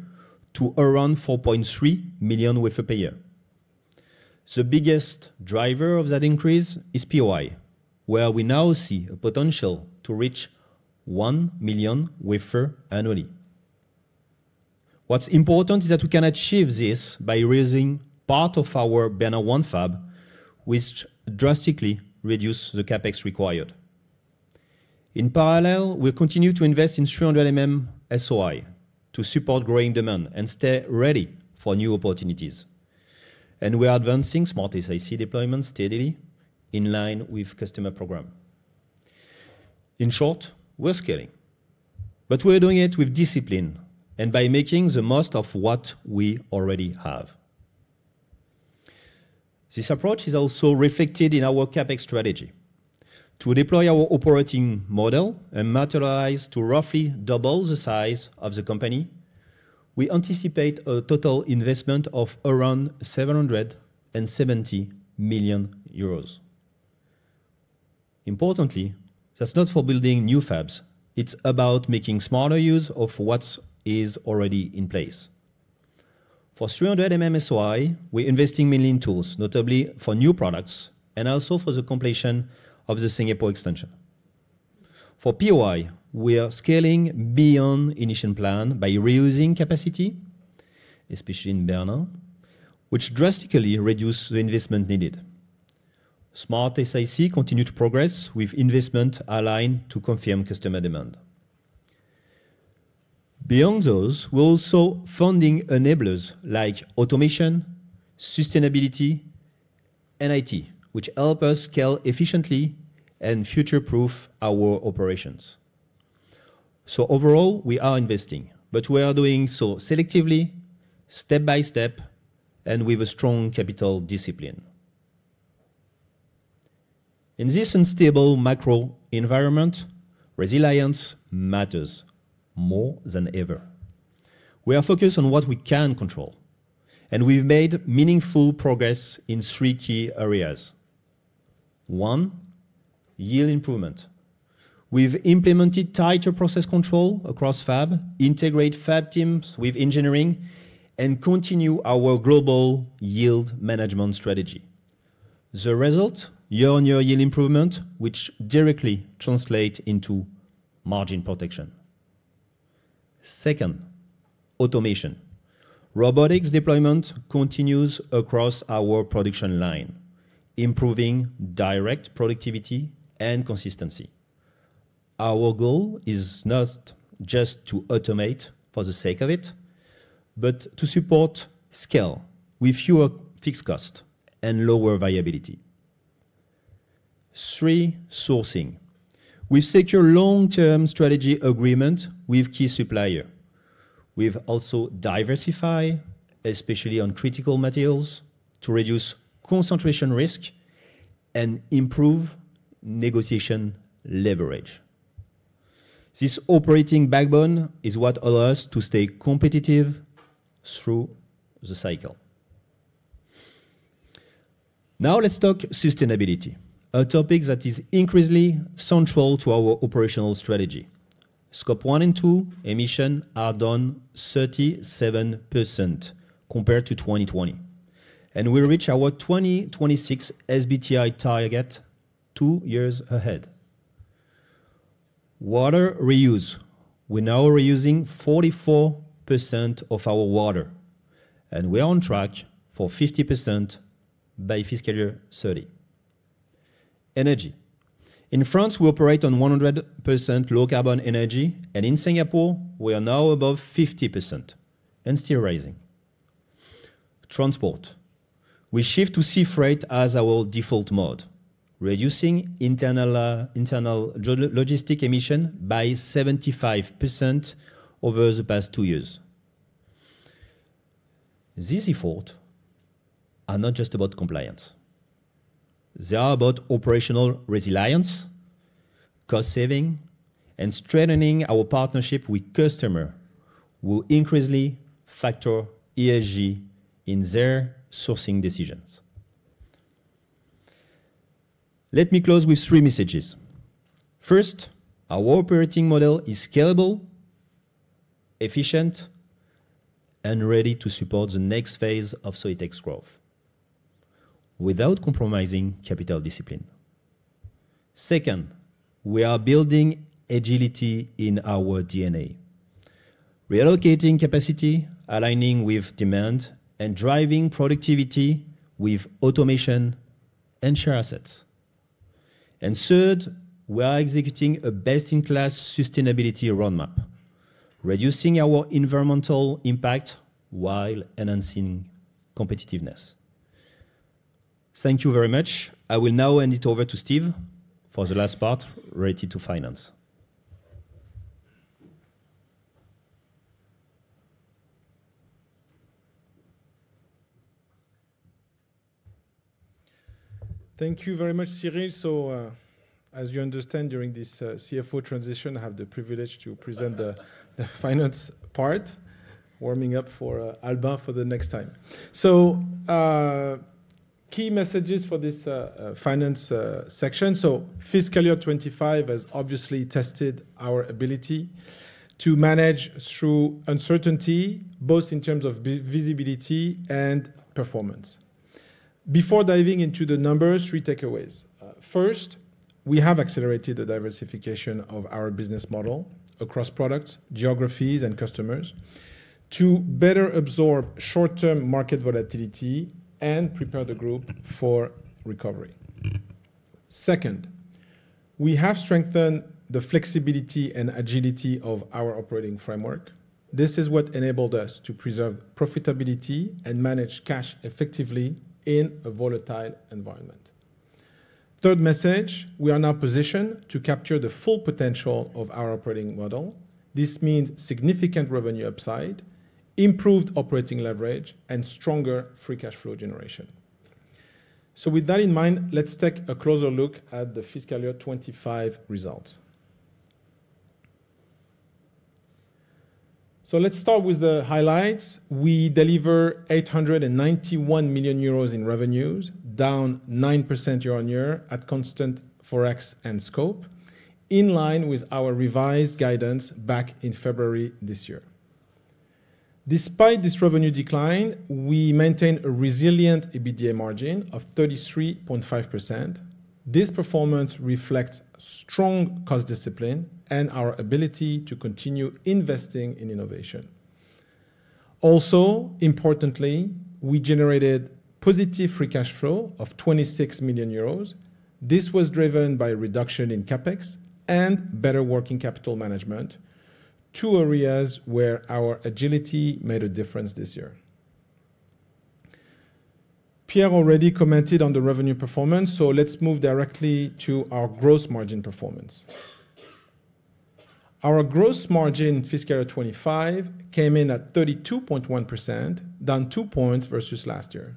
to around 4.3 million wafers per year. The biggest driver of that increase is POI, where we now see a potential to reach 1 million wafers annually. What is important is that we can achieve this by raising part of our Bernin 1 fab, which drastically reduces the CapEx required. In parallel, we continue to invest in 300 mm SOI to support growing demand and stay ready for new opportunities. We are advancing SmartSiC deployment steadily in line with the customer program. In short, we're scaling, but we're doing it with discipline and by making the most of what we already have. This approach is also reflected in our CapEx strategy. To deploy our operating model and materialize to roughly double the size of the company, we anticipate a total investment of around 770 million euros. Importantly, that's not for building new fabs. It's about making smarter use of what is already in place. For 300mm RF-SOI, we're investing mainly in tools, notably for new products and also for the completion of the Singapore extension. For POI, we are scaling beyond the initial plan by reusing capacity, especially in Bernin, which drastically reduces the investment needed. SmartSiC continues to progress with investment aligned to confirm customer demand. Beyond those, we're also funding enablers like automation, sustainability, and IT, which help us scale efficiently and future-proof our operations. Overall, we are investing, but we are doing so selectively, step by step, and with a strong capital discipline. In this unstable macro environment, resilience matters more than ever. We are focused on what we can control, and we've made meaningful progress in three key areas. One, yield improvement. We've implemented tighter process control across fab, integrated fab teams with engineering, and continued our global yield management strategy. The result? Year-on-year yield improvement, which directly translates into margin protection. Second, automation. Robotics deployment continues across our production line, improving direct productivity and consistency. Our goal is not just to automate for the sake of it, but to support scale with fewer fixed costs and lower variability. Three, sourcing. We've secured long-term strategy agreements with key suppliers. We've also diversified, especially on critical materials, to reduce concentration risk and improve negotiation leverage. This operating backbone is what allows us to stay competitive through the cycle. Now let's talk sustainability, a topic that is increasingly central to our operational strategy. Scope one and two emissions are down 37% compared to 2020, and we reach our 2026 SBTi target two years ahead. Water reuse. We're now reusing 44% of our water, and we're on track for 50% by fiscal year 2030. Energy. In France, we operate on 100% low carbon energy, and in Singapore, we are now above 50% and still rising. Transport. We shift to sea freight as our default mode, reducing internal logistic emissions by 75% over the past two years. These efforts are not just about compliance. They are about operational resilience, cost saving, and strengthening our partnership with customers, who increasingly factor ESG in their sourcing decisions. Let me close with three messages. First, our operating model is scalable, efficient, and ready to support the next phase of Soitec's growth without compromising capital discipline. Second, we are building agility in our DNA, reallocating capacity, aligning with demand, and driving productivity with automation and shared assets. Third, we are executing a best-in-class sustainability roadmap, reducing our environmental impact while enhancing competitiveness. Thank you very much. I will now hand it over to Steve for the last part related to finance. Thank you very much, Cyril. As you understand, during this CFO transition, I have the privilege to present the finance part, warming up for Albin for the next time. Key messages for this finance section. Fiscal year 2025 has obviously tested our ability to manage through uncertainty, both in terms of visibility and performance. Before diving into the numbers, three takeaways. First, we have accelerated the diversification of our business model across products, geographies, and customers to better absorb short-term market volatility and prepare the group for recovery. Second, we have strengthened the flexibility and agility of our operating framework. This is what enabled us to preserve profitability and manage cash effectively in a volatile environment. Third message, we are now positioned to capture the full potential of our operating model. This means significant revenue upside, improved operating leverage, and stronger free cash flow generation. With that in mind, let's take a closer look at the fiscal year 2025 results. Let's start with the highlights. We deliver 891 million euros in revenues, down 9% year on year at constant forex and scope, in line with our revised guidance back in February this year. Despite this revenue decline, we maintain a resilient EBITDA margin of 33.5%. This performance reflects strong cost discipline and our ability to continue investing in innovation. Also, importantly, we generated positive free cash flow of 26 million euros. This was driven by a reduction in CapEx and better working capital management, two areas where our agility made a difference this year. Pierre already commented on the revenue performance, so let's move directly to our gross margin performance. Our gross margin in fiscal year 2025 came in at 32.1%, down 2 points versus last year.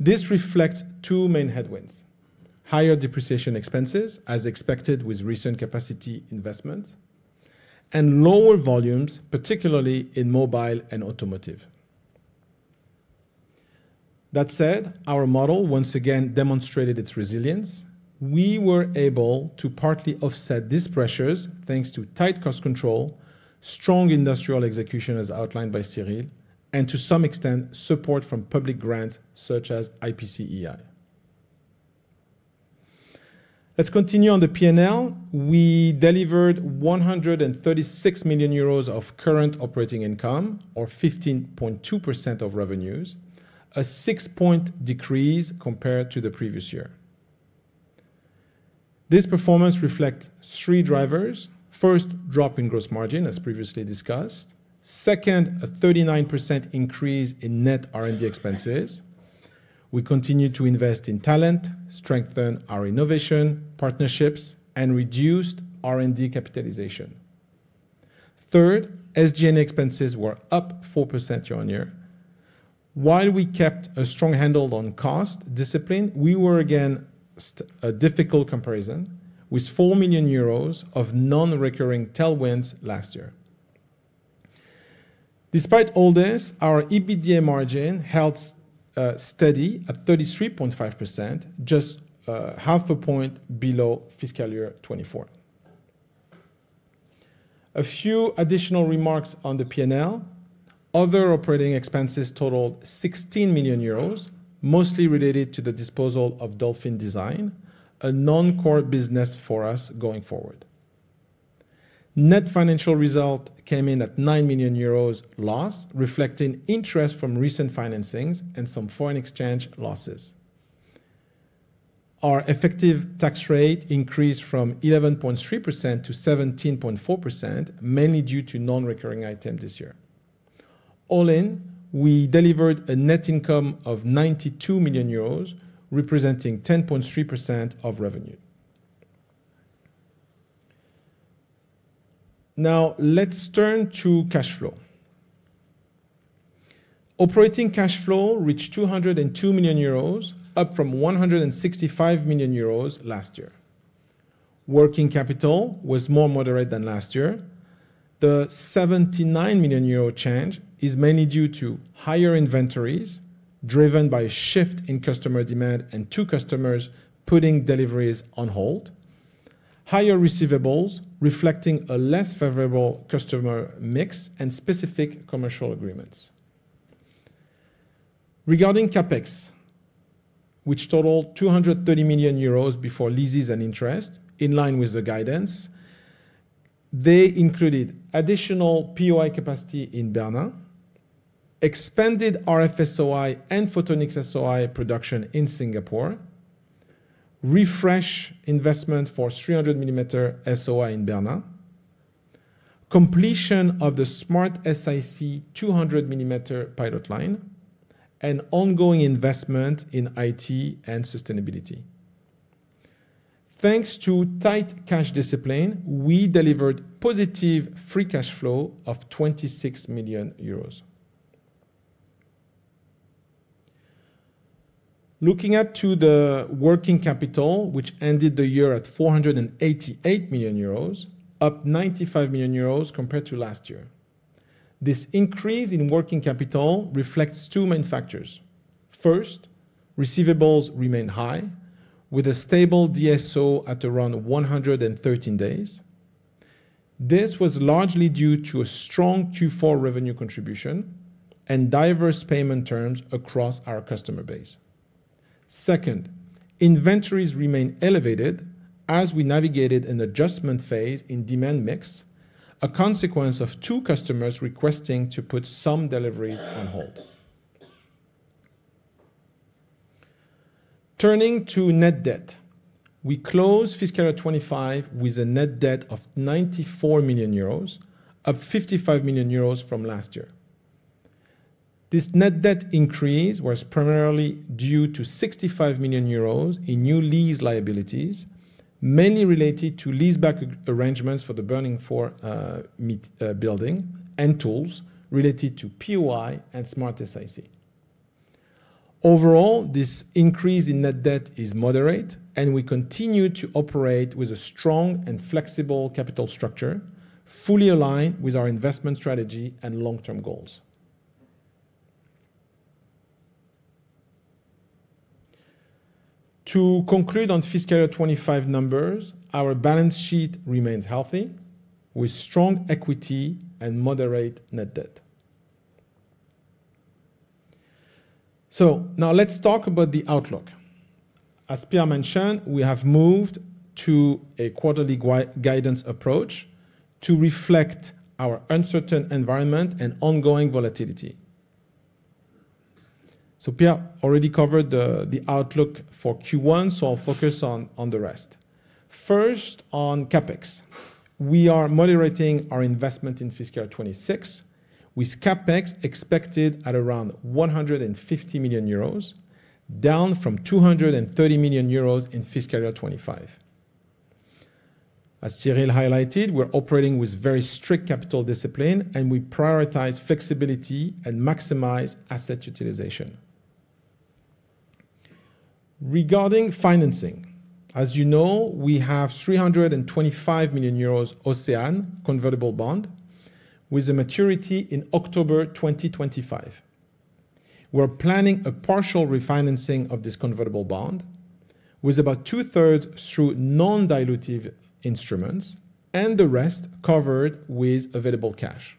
This reflects two main headwinds: higher depreciation expenses, as expected with recent capacity investment, and lower volumes, particularly in mobile and automotive. That said, our model once again demonstrated its resilience. We were able to partly offset these pressures thanks to tight cost control, strong industrial execution as outlined by Cyril, and to some extent, support from public grants such as IPCEI. Let's continue on the P&L. We delivered 136 million euros of current operating income, or 15.2% of revenues, a six-point decrease compared to the previous year. This performance reflects three drivers: first, a drop in gross margin, as previously discussed; second, a 39% increase in net R&D expenses. We continued to invest in talent, strengthen our innovation partnerships, and reduced R&D capitalization. Third, SG&A expenses were up 4% year on year. While we kept a strong handle on cost discipline, we were again a difficult comparison with 4 million euros of non-recurring tailwinds last year. Despite all this, our EBITDA margin held steady at 33.5%, just half a percentage point below fiscal year 2024. A few additional remarks on the P&L. Other operating expenses totaled 16 million euros, mostly related to the disposal of Dolphin Design, a non-core business for us going forward. Net financial result came in at 9 million euros lost, reflecting interest from recent financings and some foreign exchange losses. Our effective tax rate increased from 11.3% to 17.4%, mainly due to non-recurring items this year. All in, we delivered a net income of 92 million euros, representing 10.3% of revenue. Now, let's turn to cash flow. Operating cash flow reached 202 million euros, up from 165 million euros last year. Working capital was more moderate than last year. The 79 million euro change is mainly due to higher inventories driven by a shift in customer demand and two customers putting deliveries on hold, higher receivables reflecting a less favorable customer mix and specific commercial agreements. Regarding CapEx, which totaled 230 million euros before leases and interest, in line with the guidance, they included additional POI capacity in Bernin, expanded RF-SOI and Photonics-SOI production in Singapore, refresh investment for 300 mm SOI in Bernin, completion of the SmartSiC 200 mm pilot line, and ongoing investment in IT and sustainability. Thanks to tight cash discipline, we delivered positive free cash flow of 26 million euros. Looking at the working capital, which ended the year at 488 million euros, up 95 million euros compared to last year. This increase in working capital reflects two main factors. First, receivables remain high, with a stable DSO at around 113 days. This was largely due to a strong Q4 revenue contribution and diverse payment terms across our customer base. Second, inventories remain elevated as we navigated an adjustment phase in demand mix, a consequence of two customers requesting to put some deliveries on hold. Turning to net debt, we closed fiscal year 2025 with a net debt of 94 million euros, up 55 million euros from last year. This net debt increase was primarily due to 65 million euros in new lease liabilities, mainly related to lease-back arrangements for the Bernin fab building and tools related to POI and SmartSiC. Overall, this increase in net debt is moderate, and we continue to operate with a strong and flexible capital structure, fully aligned with our investment strategy and long-term goals. To conclude on fiscal year 2025 numbers, our balance sheet remains healthy, with strong equity and moderate net debt. Now let's talk about the outlook. As Pierre mentioned, we have moved to a quarterly guidance approach to reflect our uncertain environment and ongoing volatility. Pierre already covered the outlook for Q1, so I'll focus on the rest. First, on CapEx. We are moderating our investment in fiscal year 2026, with CapEx expected at around 150 million euros, down from 230 million euros in fiscal year 2025. As Cyril highlighted, we're operating with very strict capital discipline, and we prioritize flexibility and maximize asset utilization. Regarding financing, as you know, we have 325 million euros OCEANE convertible bond, with a maturity in October 2025. We're planning a partial refinancing of this convertible bond, with about 2/3 through non-dilutive instruments, and the rest covered with available cash.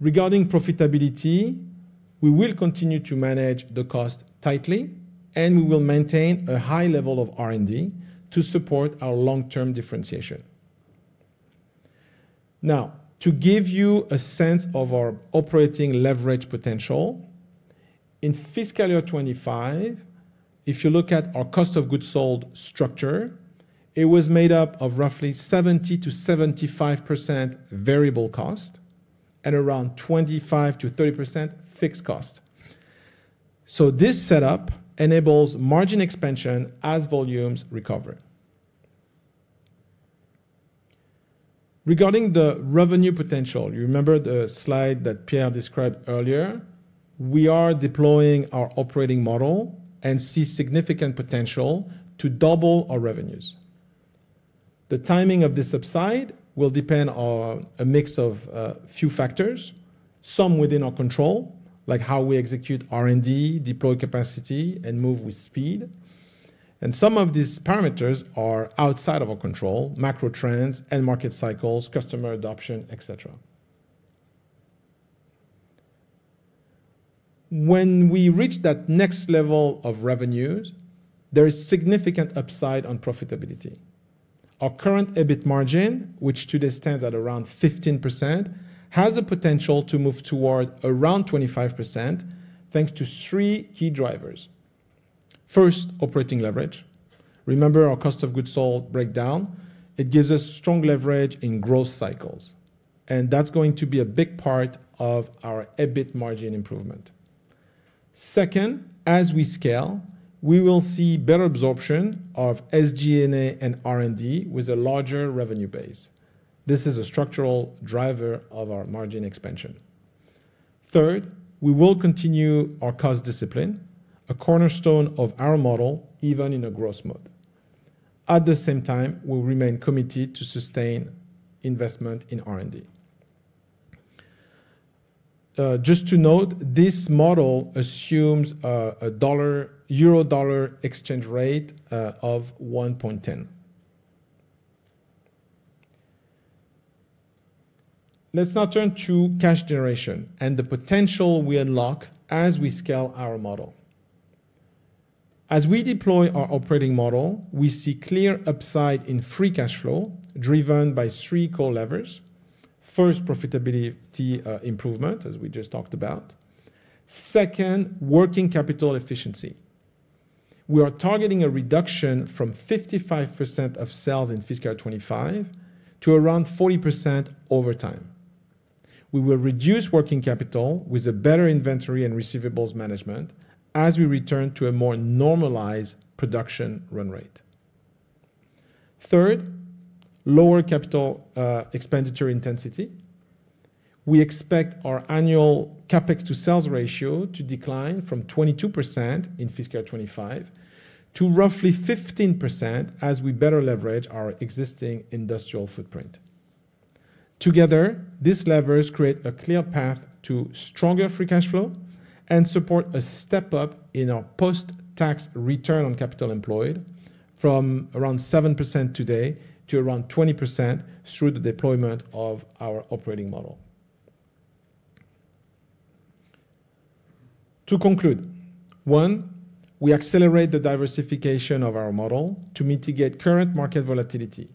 Regarding profitability, we will continue to manage the cost tightly, and we will maintain a high level of R&D to support our long-term differentiation. Now, to give you a sense of our operating leverage potential, in fiscal year 2025, if you look at our cost of goods sold structure, it was made up of roughly 70%-75% variable cost and around 25%-30% fixed cost. This setup enables margin expansion as volumes recover. Regarding the revenue potential, you remember the slide that Pierre described earlier. We are deploying our operating model and see significant potential to double our revenues. The timing of this subside will depend on a mix of a few factors, some within our control, like how we execute R&D, deploy capacity, and move with speed. Some of these parameters are outside of our control: macro trends, end market cycles, customer adoption, etc. When we reach that next level of revenues, there is significant upside on profitability. Our current EBIT margin, which today stands at around 15%, has the potential to move toward around 25% thanks to three key drivers. First, operating leverage. Remember our cost of goods sold breakdown. It gives us strong leverage in growth cycles. That is going to be a big part of our EBIT margin improvement. Second, as we scale, we will see better absorption of SG&A and R&D with a larger revenue base. This is a structural driver of our margin expansion. Third, we will continue our cost discipline, a cornerstone of our model, even in a growth mode. At the same time, we will remain committed to sustain investment in R&D. Just to note, this model assumes a EUR 1.10 to $1.00 exchange rate. Let's now turn to cash generation and the potential we unlock as we scale our model. As we deploy our operating model, we see clear upside in free cash flow driven by three core levers. First, profitability improvement, as we just talked about. Second, working capital efficiency. We are targeting a reduction from 55% of sales in fiscal year 2025 to around 40% over time. We will reduce working capital with a better inventory and receivables management as we return to a more normalized production run rate. Third, lower capital expenditure intensity. We expect our annual CapEx-to-sales ratio to decline from 22% in fiscal year 2025 to roughly 15% as we better leverage our existing industrial footprint. Together, these levers create a clear path to stronger free cash flow and support a step-up in our post-tax return on capital employed from around 7% today to around 20% through the deployment of our operating model. To conclude, one, we accelerate the diversification of our model to mitigate current market volatility.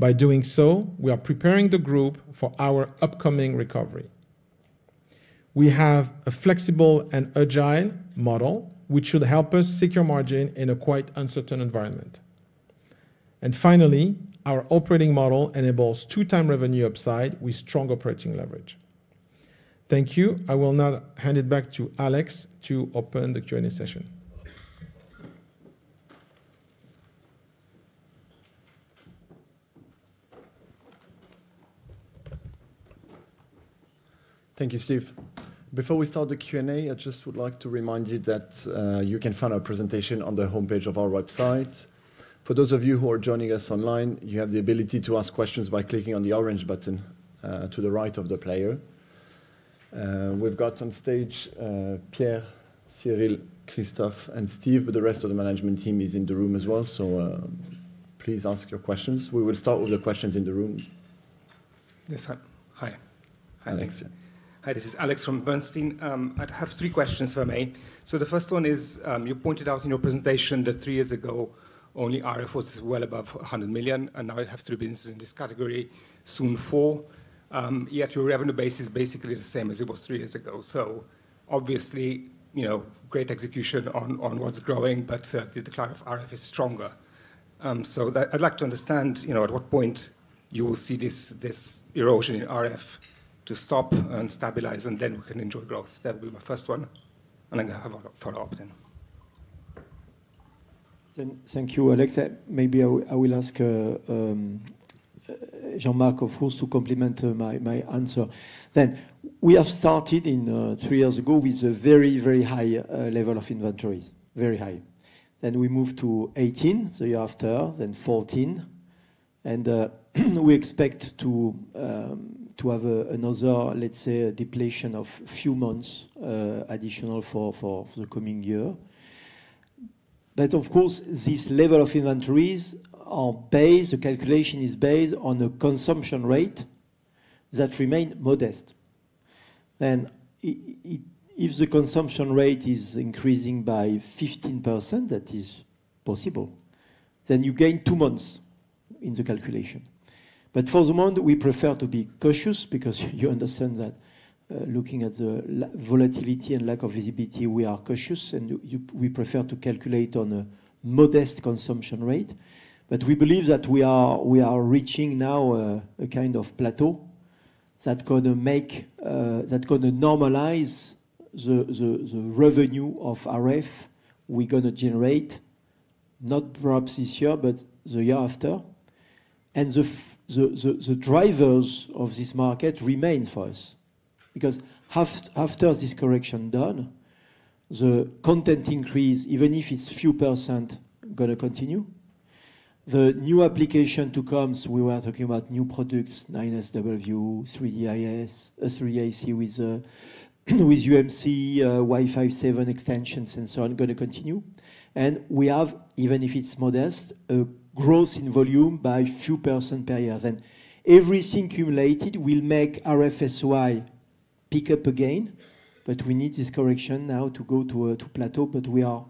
By doing so, we are preparing the group for our upcoming recovery. We have a flexible and agile model, which should help us secure margin in a quite uncertain environment. Finally, our operating model enables 2x revenue upside with strong operating leverage. Thank you. I will now hand it back to Alex to open the Q&A session. Thank you, Steve. Before we start the Q&A, I just would like to remind you that you can find our presentation on the homepage of our website. For those of you who are joining us online, you have the ability to ask questions by clicking on the orange button to the right of the player. We've got on stage Pierre, Cyril, Christophe, and Steve, but the rest of the management team is in the room as well, so please ask your questions. We will start with the questions in the room. Hi, this is Alex from Bernstein. I have three questions for me. The first one is, you pointed out in your presentation that three years ago, only RF was well above $100 million, and now you have three businesses in this category, soon four. Yet your revenue base is basically the same as it was three years ago. Obviously, you know, great execution on what's growing, but the decline of RF is stronger. I'd like to understand, you know, at what point you will see this erosion in RF stop and stabilize, and then we can enjoy growth. That will be my first one. I'm going to have a follow-up then. Thank you, Alex. Maybe I will ask Jean-Marc, of course, to complement my answer. We have started three years ago with a very, very high level of inventories, very high. We moved to 18% the year after, then 14%. We expect to have another, let's say, a depletion of a few months additional for the coming year. Of course, this level of inventories is based, the calculation is based on a consumption rate that remained modest. If the consumption rate is increasing by 15%, that is possible. You gain two months in the calculation. For the moment, we prefer to be cautious because you understand that looking at the volatility and lack of visibility, we are cautious and we prefer to calculate on a modest consumption rate. We believe that we are reaching now a kind of plateau that is going to normalize the revenue of RF we are going to generate, not perhaps this year, but the year after. The drivers of this market remain for us because after this correction is done, the content increase, even if it is a few percent, is going to continue. The new applications to come, we were talking about new products, 9SW, 3DIS, 3DIC with UMC, Wi-Fi 7 extensions and so on, are going to continue. We have, even if it is modest, a growth in volume by a few percent per year. Everything cumulated will make RF-SOI pick up again. We need this correction now to go to a plateau, and we are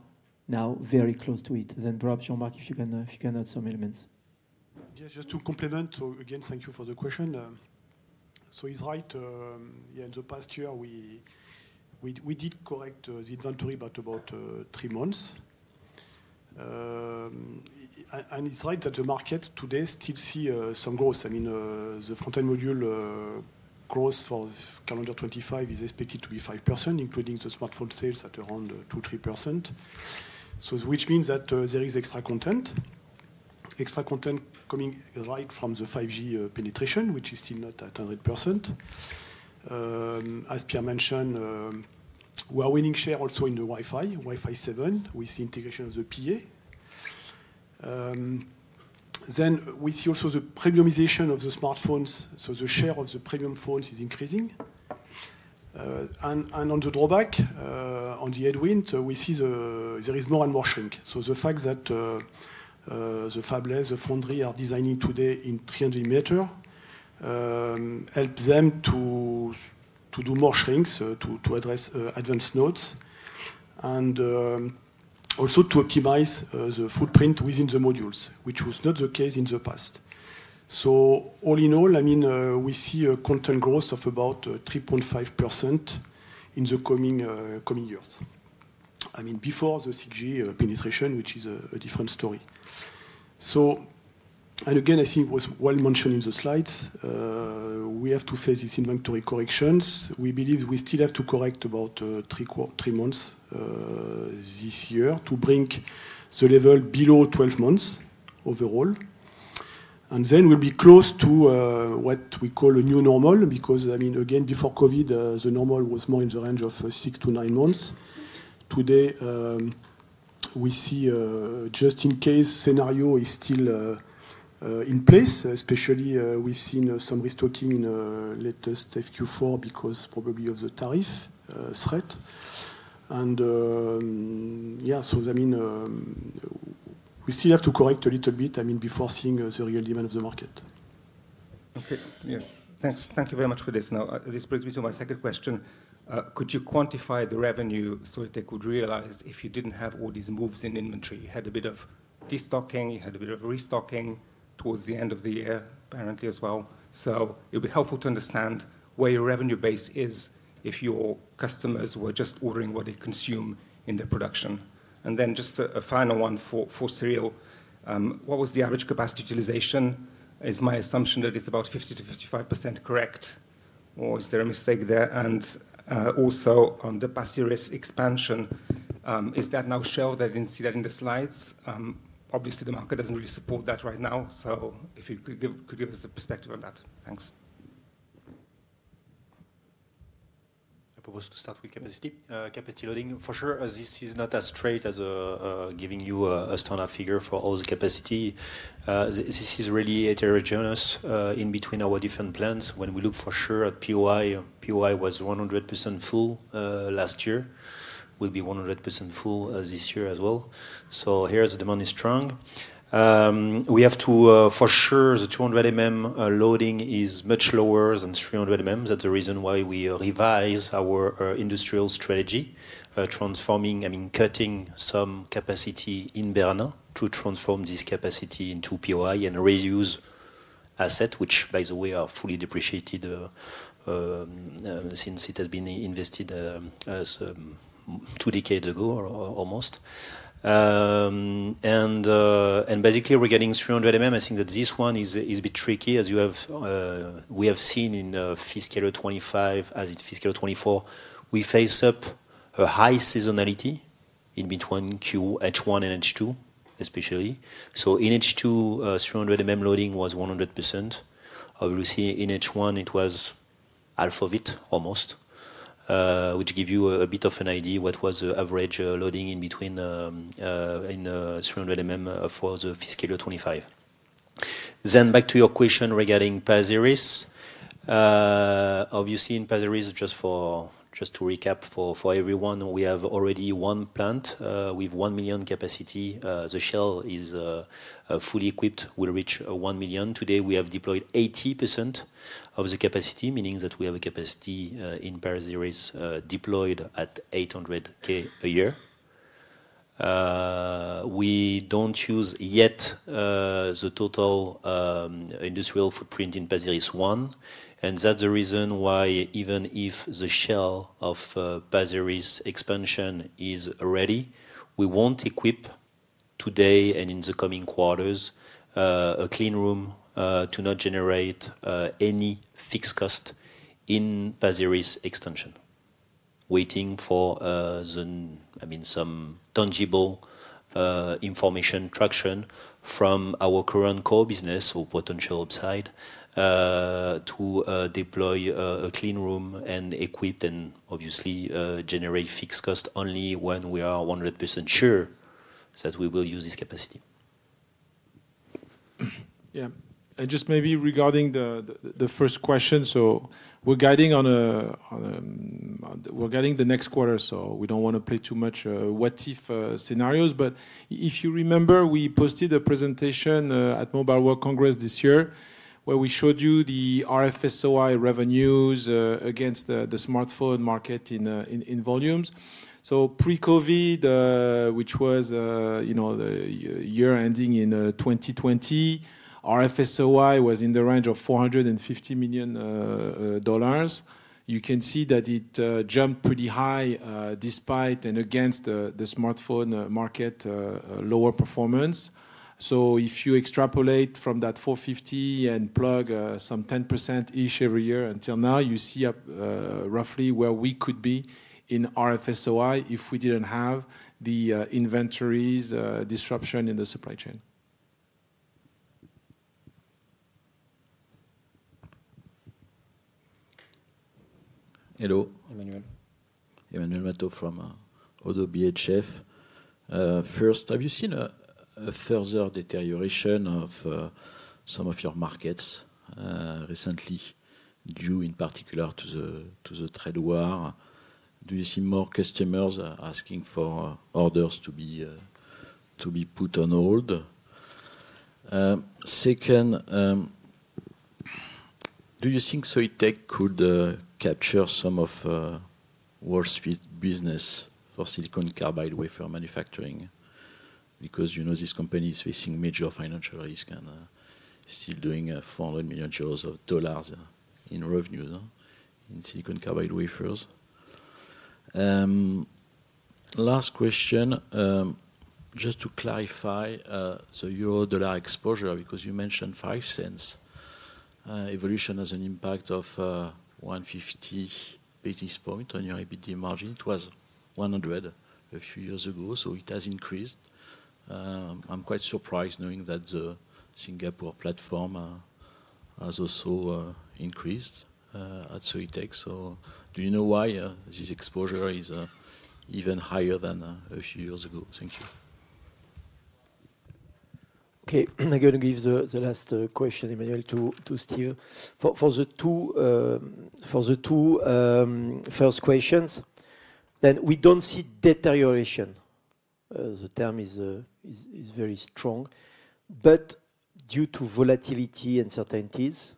now very close to it. Perhaps Jean-Marc, if you can add some elements. Yeah, just to complement, thank you for the question. He's right. In the past year, we did correct the inventory by about three months. It is right that the market today still sees some growth. I mean, the front-end module growth for calendar 2025 is expected to be 5%, including the smartphone sales at around 2%-3%. Which means that there is extra content, extra content coming right from the 5G penetration, which is still not at 100%. As Pierre mentioned, we are winning share also in the Wi-Fi, Wi-Fi 7, with the integration of the PA. We see also the premiumization of the smartphones. The share of the premium phones is increasing. On the drawback, on the headwind, we see there is more and more shrink. The fact that the fabless, the foundry are designing today in 300 mm helps them to do more shrinks to address advanced nodes and also to optimize the footprint within the modules, which was not the case in the past. All in all, I mean, we see a content growth of about 3.5% in the coming years. I mean, before the 6G penetration, which is a different story. Again, I think it was well mentioned in the slides, we have to face these inventory corrections. We believe we still have to correct about three months this year to bring the level below 12 months overall. Then we will be close to what we call a new normal because, I mean, again, before COVID, the normal was more in the range of six to nine months. Today, we see a just-in-case scenario is still in place, especially we've seen some restocking in the latest FQ4 because probably of the tariff threat. Yeah, I mean, we still have to correct a little bit, I mean, before seeing the real demand of the market. Okay. Yeah. Thanks. Thank you very much for this. Now, this brings me to my second question. Could you quantify the revenue so that they could realize if you didn't have all these moves in inventory? You had a bit of destocking, you had a bit of restocking towards the end of the year, apparently as well. It would be helpful to understand where your revenue base is if your customers were just ordering what they consume in their production. Just a final one for Cyril. What was the average capacity utilization? Is my assumption that it's about 50%-55% correct? Or is there a mistake there? Also, on the passive risk expansion, is that now shelved? I didn't see that in the slides. Obviously, the market doesn't really support that right now. If you could give us a perspective on that. Thanks. I propose to start with capacity loading. For sure, this is not as straight as giving you a standard figure for all the capacity. This is really heterogeneous in between our different plans. When we look for sure at POI, POI was 100% full last year. We'll be 100% full this year as well. Here the demand is strong. We have to, for sure, the 200 mm loading is much lower than 300 mm. That's the reason why we revise our industrial strategy, transforming, I mean, cutting some capacity in Bernin to transform this capacity into POI and reuse assets, which by the way are fully depreciated since it has been invested two decades ago or almost. Basically, we're getting 300 mm. I think that this one is a bit tricky as you have, we have seen in fiscal year 2025, as it's fiscal year 2024, we face up a high seasonality in between H1 and H2, especially. In H2, 300 mm loading was 100%. We will see in H1 it was half of it almost, which gives you a bit of an idea what was the average loading in between in 300 mm for the fiscal year 2025. Back to your question regarding Pasir Ris. Obviously, in Pasir Ris, just to recap for everyone, we have already one plant with 1 million capacity. The shell is fully equipped, will reach 1 million. Today, we have deployed 80% of the capacity, meaning that we have a capacity in Pasir Ris deployed at 800,000 a year. We do not use yet the total industrial footprint in Pasir Ris 1. That is the reason why even if the shell of Pasir Ris expansion is ready, we will not equip today and in the coming quarters a clean room to not generate any fixed cost in Pasir Ris extension. Waiting for, I mean, some tangible information traction from our current core business or potential upside to deploy a clean room and equip and obviously generate fixed cost only when we are 100% sure that we will use this capacity. Yeah. Just maybe regarding the first question, we are guiding on the next quarter, so we do not want to play too much what-if scenarios. If you remember, we posted a presentation at Mobile World Congress this year where we showed you the RF-SOI revenues against the smartphone market in volumes. Pre-COVID, which was the year ending in 2020, RF-SOI was in the range of $450 million. You can see that it jumped pretty high despite and against the smartphone market lower performance. If you extrapolate from that $450 million and plug some 10%-ish every year until now, you see roughly where we could be in RF-SOI if we did not have the inventories disruption in the supply chain. Emmanuel Matot from ODDO BHF. First, have you seen a further deterioration of some of your markets recently due in particular to the trade war? Do you see more customers asking for orders to be put on hold? Second, do you think Soitec could capture some of Wolfspeed's business for silicon carbide wafer manufacturing? Because you know this company is facing major financial risk and still doing $400 million of in revenue in silicon carbide wafers. Last question, just to clarify the euro/dollar exposure, because you mentioned $0.05 evolution as an impact of 150 basis points on your EBITDA margin. It was 100 a few years ago, so it has increased. I'm quite surprised knowing that the Singapore platform has also increased at Soitec. Do you know why this exposure is even higher than a few years ago? Thank you. Okay. I'm going to give the last question, Emmanuel, to Steve. For the two first questions, then we don't see deterioration. The term is very strong. Due to volatility and uncertainties,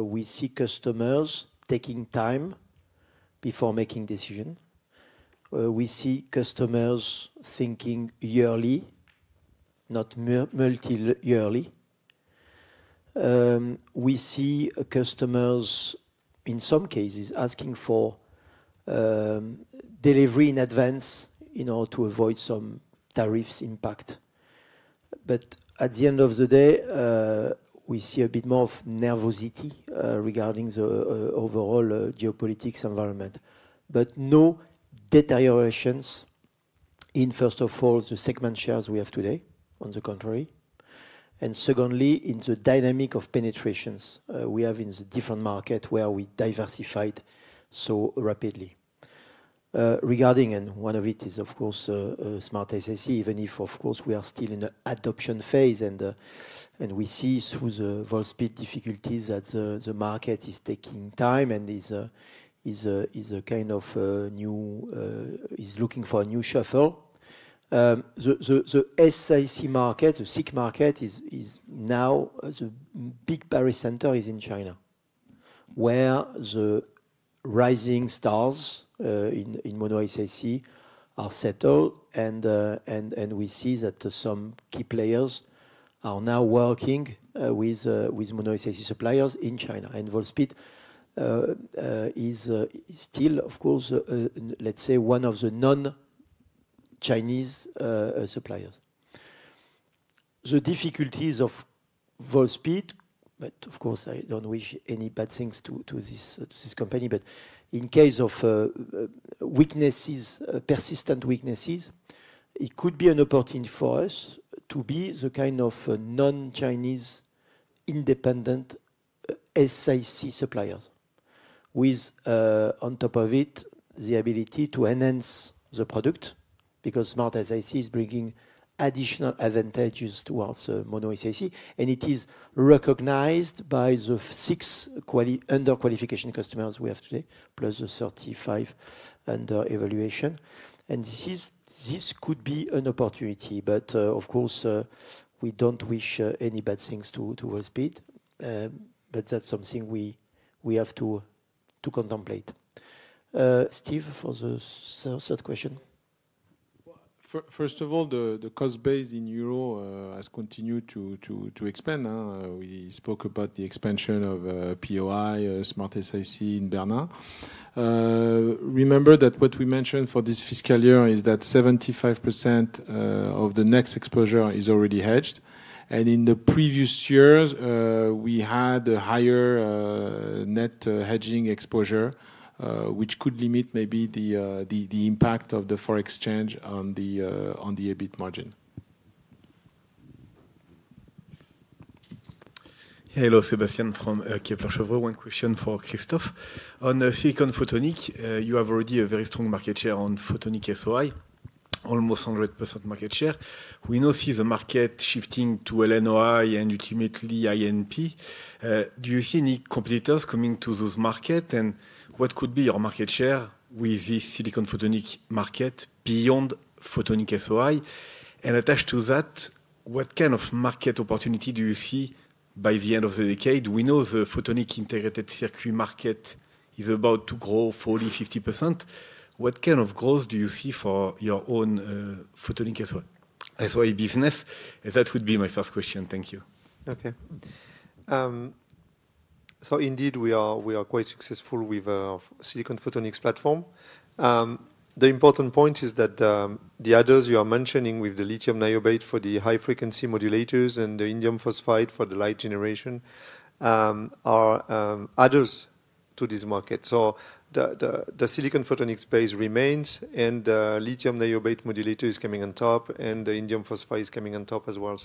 we see customers taking time before making decisions. We see customers thinking yearly, not multi-yearly. We see customers, in some cases, asking for delivery in advance in order to avoid some tariffs impact. At the end of the day, we see a bit more of nervosity regarding the overall geopolitics environment. No deteriorations in, first of all, the segment shares we have today, on the contrary. Secondly, in the dynamic of penetrations we have in the different markets where we diversified so rapidly. Regarding, and one of it is, of course, SmartSiC, even if, of course, we are still in the adoption phase and we see through the Wolfspeed difficulties that the market is taking time and is a kind of new, is looking for a new shuffle. The SiC market is now, the big Paris center is in China, where the rising stars in mono-SiC are settled. We see that some key players are now working with mono-SiC suppliers in China. Wolfspeed is still, of course, let's say, one of the non-Chinese suppliers. The difficulties of Wolfspeed, but of course, I don't wish any bad things to this company, but in case of weaknesses, persistent weaknesses, it could be an opportunity for us to be the kind of non-Chinese independent SiC suppliers, with on top of it the ability to enhance the product because SmartSiC is bringing additional advantages towards mono-SiC. It is recognized by the six under-qualification customers we have today, plus the 35 under evaluation. This could be an opportunity, but of course, we don't wish any bad things to Wolfspeed. That's something we have to contemplate. Steve, for the third question. First of all, the cost base in euro has continued to expand. We spoke about the expansion of POI, SmartSiC in Bernin. Remember that what we mentioned for this fiscal year is that 75% of the net exposure is already hedged. In the previous years, we had a higher net hedging exposure, which could limit maybe the impact of the forex change on the EBIT margin. Hello, Sébastien from Kepler Cheuvreux. One question for Christophe. On silicon photonic, you have already a very strong market share on Photonics-SOI, almost 100% market share. We now see the market shifting to LNOI and ultimately InP. Do you see any competitors coming to those markets? What could be your market share with this silicon photonic market beyond Photonics-SOI? Attached to that, what kind of market opportunity do you see by the end of the decade? We know the photonic integrated circuit market is about to grow 40%-50%. What kind of growth do you see for your own Photonics-SOI business? That would be my first question. Thank you. Okay. Indeed, we are quite successful with our silicon photonics platform. The important point is that the others you are mentioning with the lithium niobate for the high-frequency modulators and the indium phosphide for the light generation are others to this market. The silicon photonic space remains, and the lithium niobate modulator is coming on top, and the indium phosphide is coming on top as well.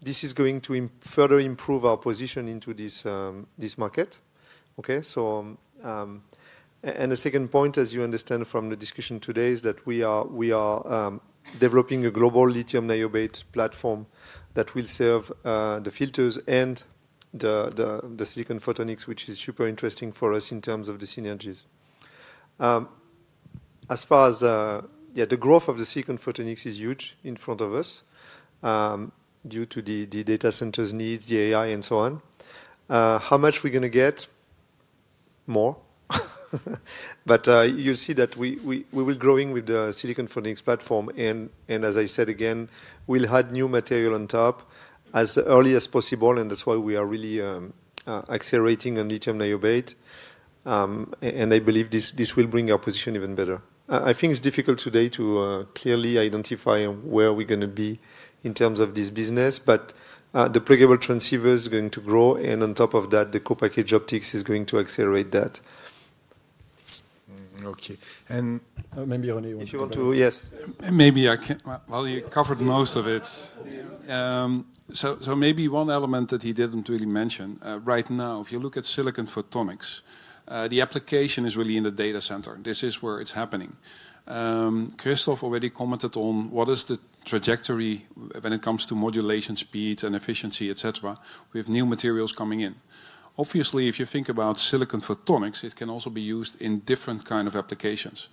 This is going to further improve our position into this market. Okay. The second point, as you understand from the discussion today, is that we are developing a global lithium niobate platform that will serve the filters and the silicon photonics, which is super interesting for us in terms of the synergies. As far as the growth of the silicon photonics is huge in front of us due to the data centers needs, the AI, and so on. How much are we going to get? More. You'll see that we will be growing with the silicon photonics platform. As I said, again, we'll add new material on top as early as possible. That is why we are really accelerating on lithium niobate. I believe this will bring our position even better. I think it's difficult today to clearly identify where we're going to be in terms of this business, but the pluggable transceiver is going to grow. On top of that, the co-package optics is going to accelerate that. Okay. Maybe only one question. If you want to, yes. Maybe I can. You covered most of it. Maybe one element that he did not really mention, right now, if you look at silicon photonics, the application is really in the data center. This is where it is happening. Christophe already commented on what is the trajectory when it comes to modulation speeds and efficiency, etc. We have new materials coming in. Obviously, if you think about silicon photonics, it can also be used in different kinds of applications.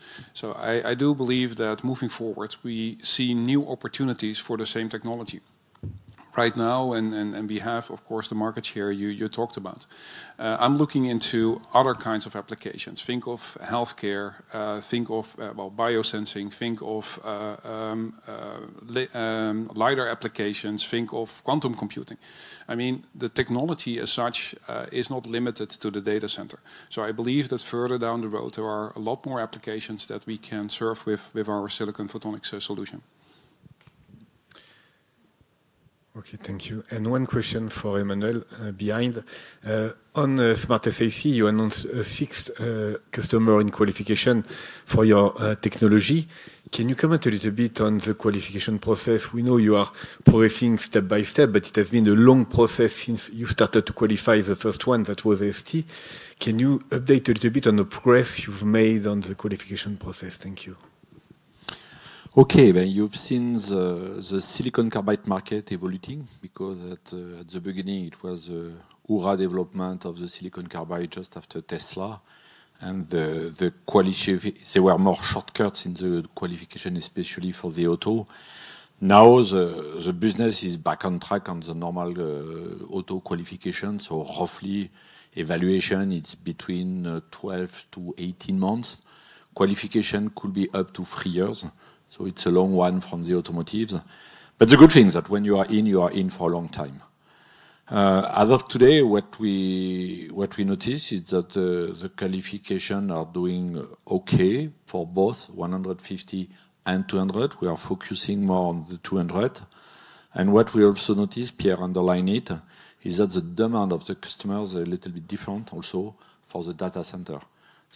I do believe that moving forward, we see new opportunities for the same technology. Right now, and we have, of course, the market share you talked about, I am looking into other kinds of applications. Think of healthcare, think of biosensing, think of lighter applications, think of quantum computing. I mean, the technology as such is not limited to the data center. I believe that further down the road, there are a lot more applications that we can serve with our silicon photonics solution. Okay. Thank you. One question for Emmanuel behind. On SmartSiC, you announced a sixth customer in qualification for your technology. Can you comment a little bit on the qualification process? We know you are progressing step by step, but it has been a long process since you started to qualify the first one that was ST. Can you update a little bit on the progress you have made on the qualification process? Thank you. Okay. You have seen the silicon carbide market evolving because at the beginning, it was the early development of the silicon carbide just after Tesla. There were more shortcuts in the qualification, especially for the auto. Now, the business is back on track on the normal auto qualification. Roughly, evaluation, it's between 12-18 months. Qualification could be up to three years. It's a long one from the automotives. The good thing is that when you are in, you are in for a long time. As of today, what we notice is that the qualifications are doing okay for both 150 and 200. We are focusing more on the 200. What we also notice, Pierre underlined it, is that the demand of the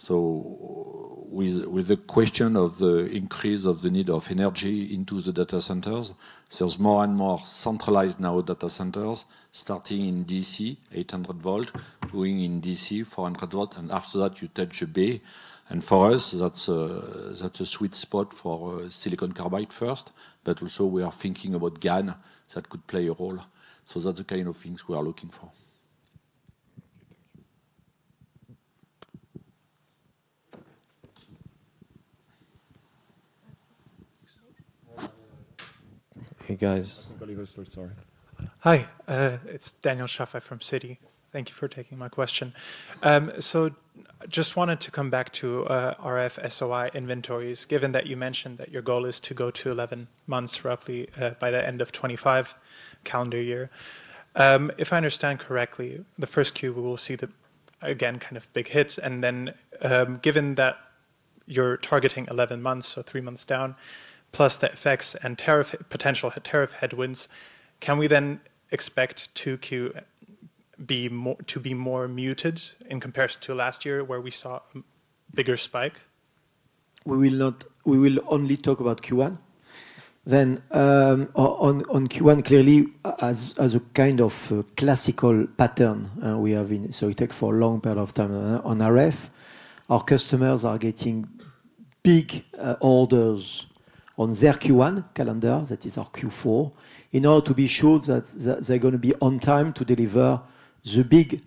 customers is a little bit different also for the data center. With the question of the increase of the need of energy into the data centers, there's more and more centralized now data centers starting in DC, 800 volt, going in DC, 400 volt. After that, you touch a bay. For us, that is a sweet spot for silicon carbide first. We are also thinking about GaN that could play a role. That is the kind of thing we are looking for. Hey, guys. Hi. It is Daniel Schafei from CITI. Thank you for taking my question. I just wanted to come back to RF-SOI inventories, given that you mentioned your goal is to go to 11 months roughly by the end of 2025 calendar year. If I understand correctly, the first quarter, we will see the, again, kind of big hit. Given that you are targeting 11 months, so three months down, plus the effects and potential tariff headwinds, can we then expect the second quarter to be more muted in comparison to last year where we saw a bigger spike? We will only talk about the first quarter. On Q1, clearly, as a kind of classical pattern, we have been, so it took for a long period of time on RF. Our customers are getting big orders on their Q1 calendar, that is our Q4, in order to be sure that they are going to be on time to deliver the big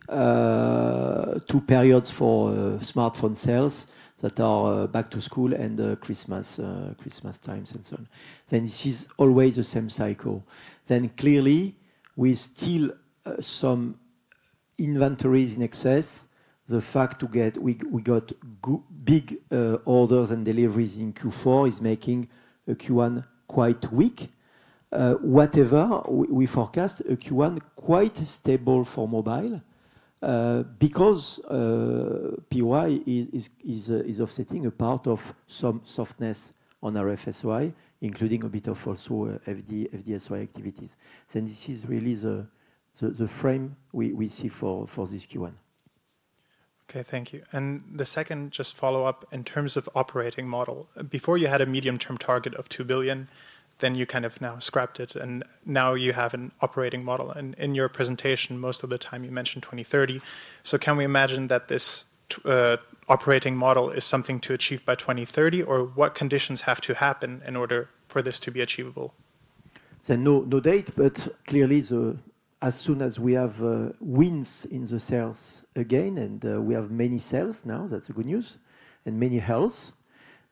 two periods for smartphone sales that are back to school and Christmas times and so on. This is always the same cycle. Clearly, we still have some inventories in excess. The fact we got big orders and deliveries in Q4 is making Q1 quite weak. Whatever we forecast, a Q1 quite stable for mobile because POI is offsetting a part of some softness on RF-SOI, including a bit of also FD-SOI activities. This is really the frame we see for this Q1. Okay. Thank you. The second just follow-up in terms of operating model. Before, you had a medium-term target of 2 billion. You kind of now scrapped it. You now have an operating model. In your presentation, most of the time, you mentioned 2030. Can we imagine that this operating model is something to achieve by 2030? What conditions have to happen in order for this to be achievable? No date, but clearly, as soon as we have wins in the sales again, and we have many sales now, that's good news, and many healths,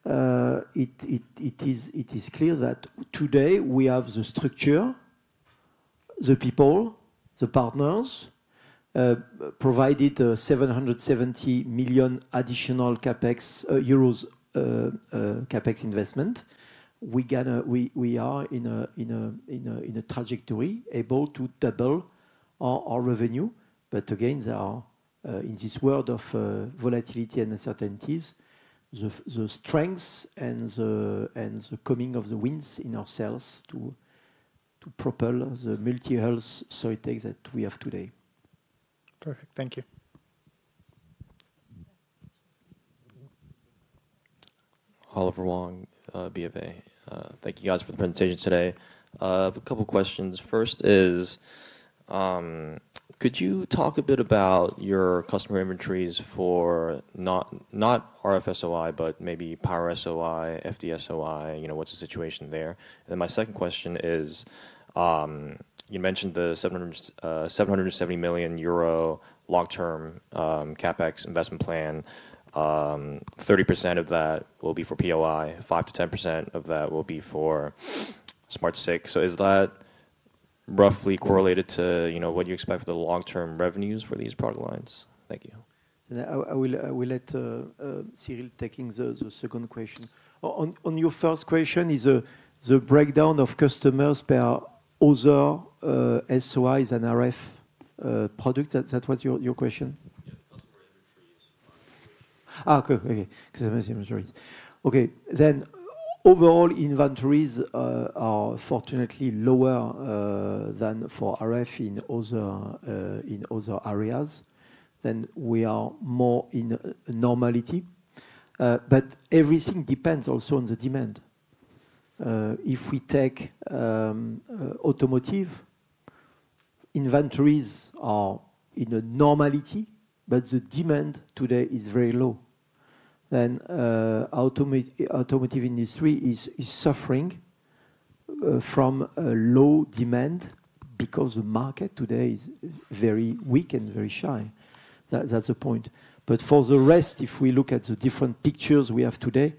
it is clear that today we have the structure, the people, the partners provided EUR 770 million additional CapEx investment. We are in a trajectory able to double our revenue. Again, in this world of volatility and uncertainties, the strengths and the coming of the wins in our sales propel the multi-health Soitec that we have today. Perfect. Thank you. Oliver Wong, BofA. Thank you, guys, for the presentation today. A couple of questions. First is, could you talk a bit about your customer inventories for not RF-SOI, but maybe Power-SOI, FD-SOI? What's the situation there? My second question is, you mentioned the 770 million euro long-term CapEx investment plan. 30% of that will be for POI. 5%-10% of that will be for SmartSiC. Is that roughly correlated to what you expect for the long-term revenues for these product lines? Thank you. I will let Cyril take the second question. On your first question, is the breakdown of customers per other SOIs and RF products. That was your question? Okay. Customers' inventories. Okay. Overall, inventories are fortunately lower than for RF in other areas. We are more in normality. Everything depends also on the demand. If we take automotive, inventories are in normality, but the demand today is very low. The automotive industry is suffering from low demand because the market today is very weak and very shy. That is the point. For the rest, if we look at the different pictures we have today,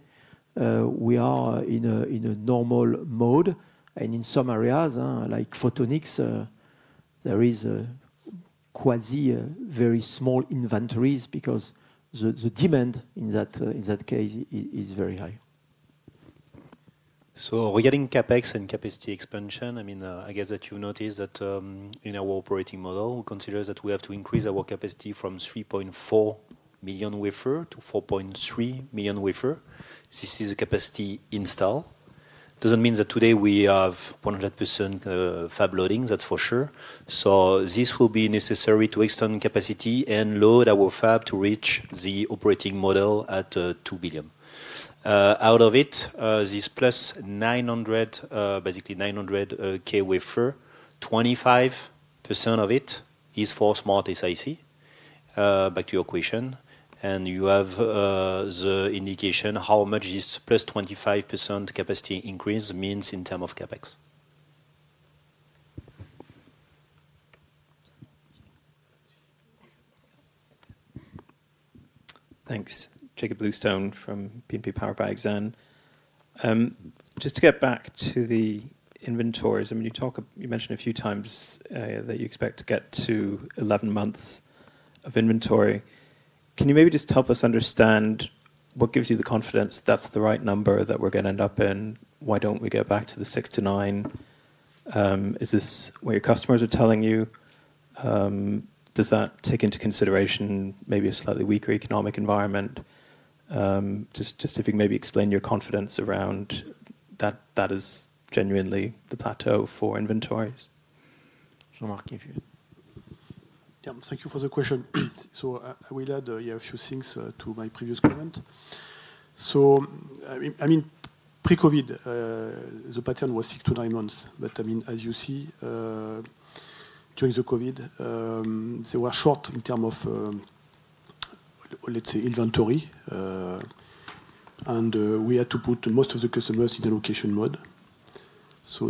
we are in a normal mode. In some areas, like photonics, there are quasi very small inventories because the demand in that case is very high. Regarding CapEx and capacity expansion, I mean, I guess that you noticed that in our operating model, we consider that we have to increase our capacity from 3.4 million wafer to 4.3 million wafer. This is the capacity install. It doesn't mean that today we have 100% fab loading. That's for sure. This will be necessary to extend capacity and load our fab to reach the operating model at 2 billion. Out of it, this plus 900, basically 900,000 wafer, 25% of it is for SmartSiC. Back to your question. You have the indication how much this +25% capacity increase means in terms of CapEx. Thanks. Jakob Bluestone from BNP Paribas Exan. Just to get back to the inventories, I mean, you mentioned a few times that you expect to get to 11 months of inventory. Can you maybe just help us understand what gives you the confidence that's the right number that we're going to end up in? Why don't we go back to the 6-9? Is this what your customers are telling you? Does that take into consideration maybe a slightly weaker economic environment? Just if you can maybe explain your confidence around that that is genuinely the plateau for inventories. Thank you for the question. I will add a few things to my previous comment. I mean, pre-COVID, the pattern was 6-9 months. I mean, as you see, during COVID, they were short in terms of, let's say, inventory. We had to put most of the customers in a location mode.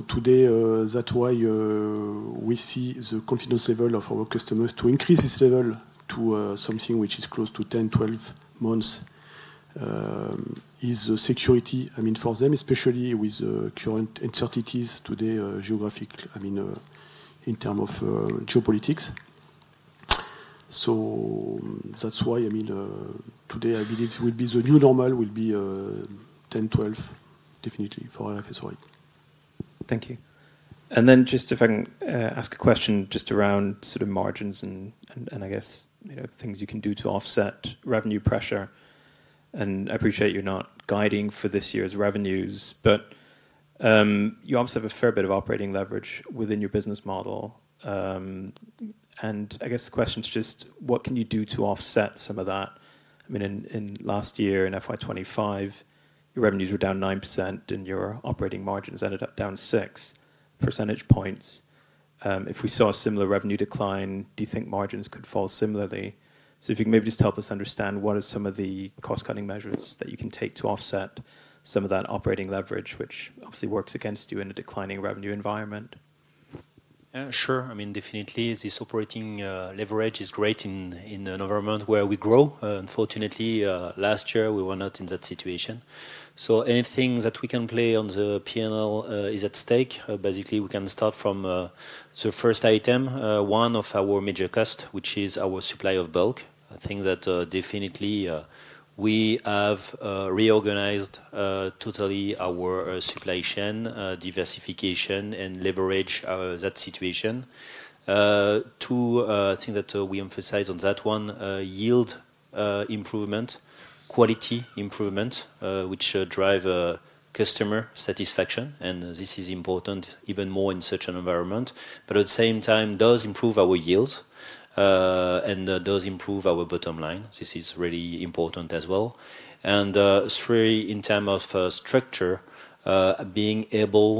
Today, that's why we see the confidence level of our customers to increase this level to something which is close to 10-12 months as the security, I mean, for them, especially with the current uncertainties today, geographic, I mean, in terms of geopolitics. That's why, I mean, today, I believe it will be the new normal will be 10, 12, definitely for RF-SOI. Thank you. If I can ask a question just around sort of margins and, I guess, things you can do to offset revenue pressure. I appreciate you're not guiding for this year's revenues, but you obviously have a fair bit of operating leverage within your business model. I guess the question is just, what can you do to offset some of that? I mean, in last year, in FY 2025, your revenues were down 9%, and your operating margins ended up down 6 percentage points. If we saw a similar revenue decline, do you think margins could fall similarly? If you can maybe just help us understand what are some of the cost-cutting measures that you can take to offset some of that operating leverage, which obviously works against you in a declining revenue environment. Sure. I mean, definitely, this operating leverage is great in an environment where we grow. Unfortunately, last year, we were not in that situation. Anything that we can play on the P&L is at stake. Basically, we can start from the first item, one of our major costs, which is our supply of bulk. I think that definitely we have reorganized totally our supply chain, diversification, and leverage that situation. Two things that we emphasize on that one, yield improvement, quality improvement, which drive customer satisfaction. This is important even more in such an environment. At the same time, it does improve our yield and does improve our bottom line. This is really important as well. Three, in terms of structure, being able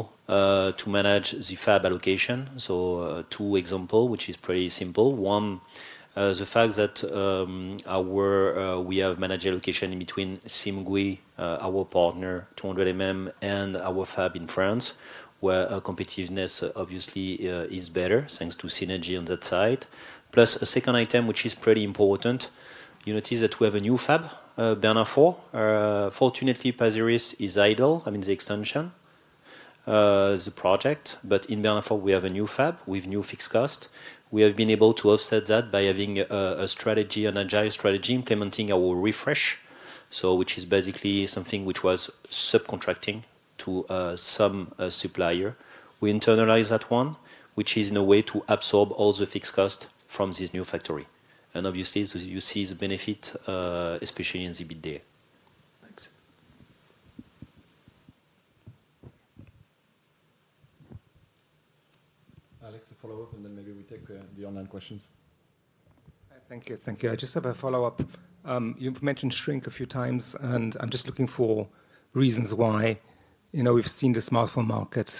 to manage the fab allocation. Two examples, which is pretty simple. One, the fact that we have managed allocation in between SIMGUI, our partner, 200 mm, and our fab in France, where competitiveness obviously is better thanks to synergy on that side. Plus a second item, which is pretty important. You notice that we have a new fab, Bernin 4. Fortunately, Pasir Ris is idle, I mean, the extension, the project. In Bernin 4, we have a new fab with new fixed cost. We have been able to offset that by having a strategy, an agile strategy, implementing our refresh, which is basically something which was subcontracting to some supplier. We internalized that one, which is in a way to absorb all the fixed cost from this new factory. Obviously, you see the benefit, especially in ZBID day. Thanks. Alex, a follow-up, and then maybe we take the online questions. Thank you. Thank you. I just have a follow-up. You've mentioned shrink a few times, and I'm just looking for reasons why. We've seen the smartphone market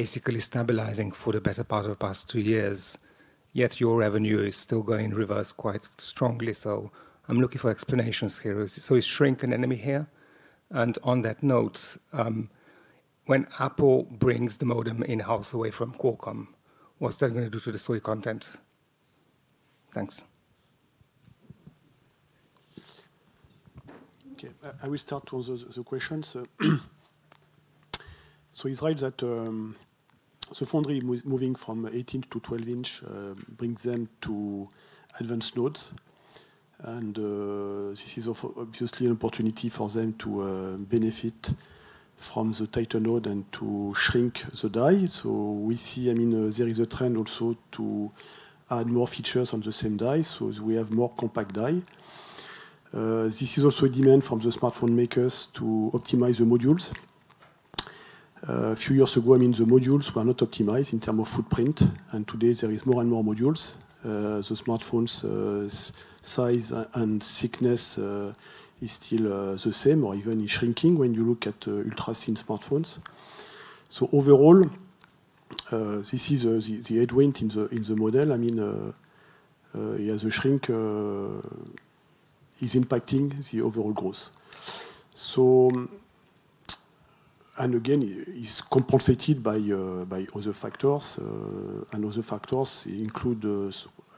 basically stabilizing for the better part of the past two years, yet your revenue is still going in reverse quite strongly. I'm looking for explanations here. Is shrink an enemy here? On that note, when Apple brings the modem in-house away from Qualcomm, what's that going to do to the SOI content? Thanks. Okay. I will start with the question. It's right that the foundry moving from 18 to 12 inch brings them to advanced nodes. This is obviously an opportunity for them to benefit from the tighter node and to shrink the die. We see, I mean, there is a trend also to add more features on the same die so we have more compact die. This is also a demand from the smartphone makers to optimize the modules. A few years ago, I mean, the modules were not optimized in terms of footprint. Today, there are more and more modules. The smartphone's size and thickness is still the same or even shrinking when you look at ultra-thin smartphones. Overall, this is the headwind in the model. I mean, yeah, the shrink is impacting the overall growth. Again, it is compensated by other factors. Other factors include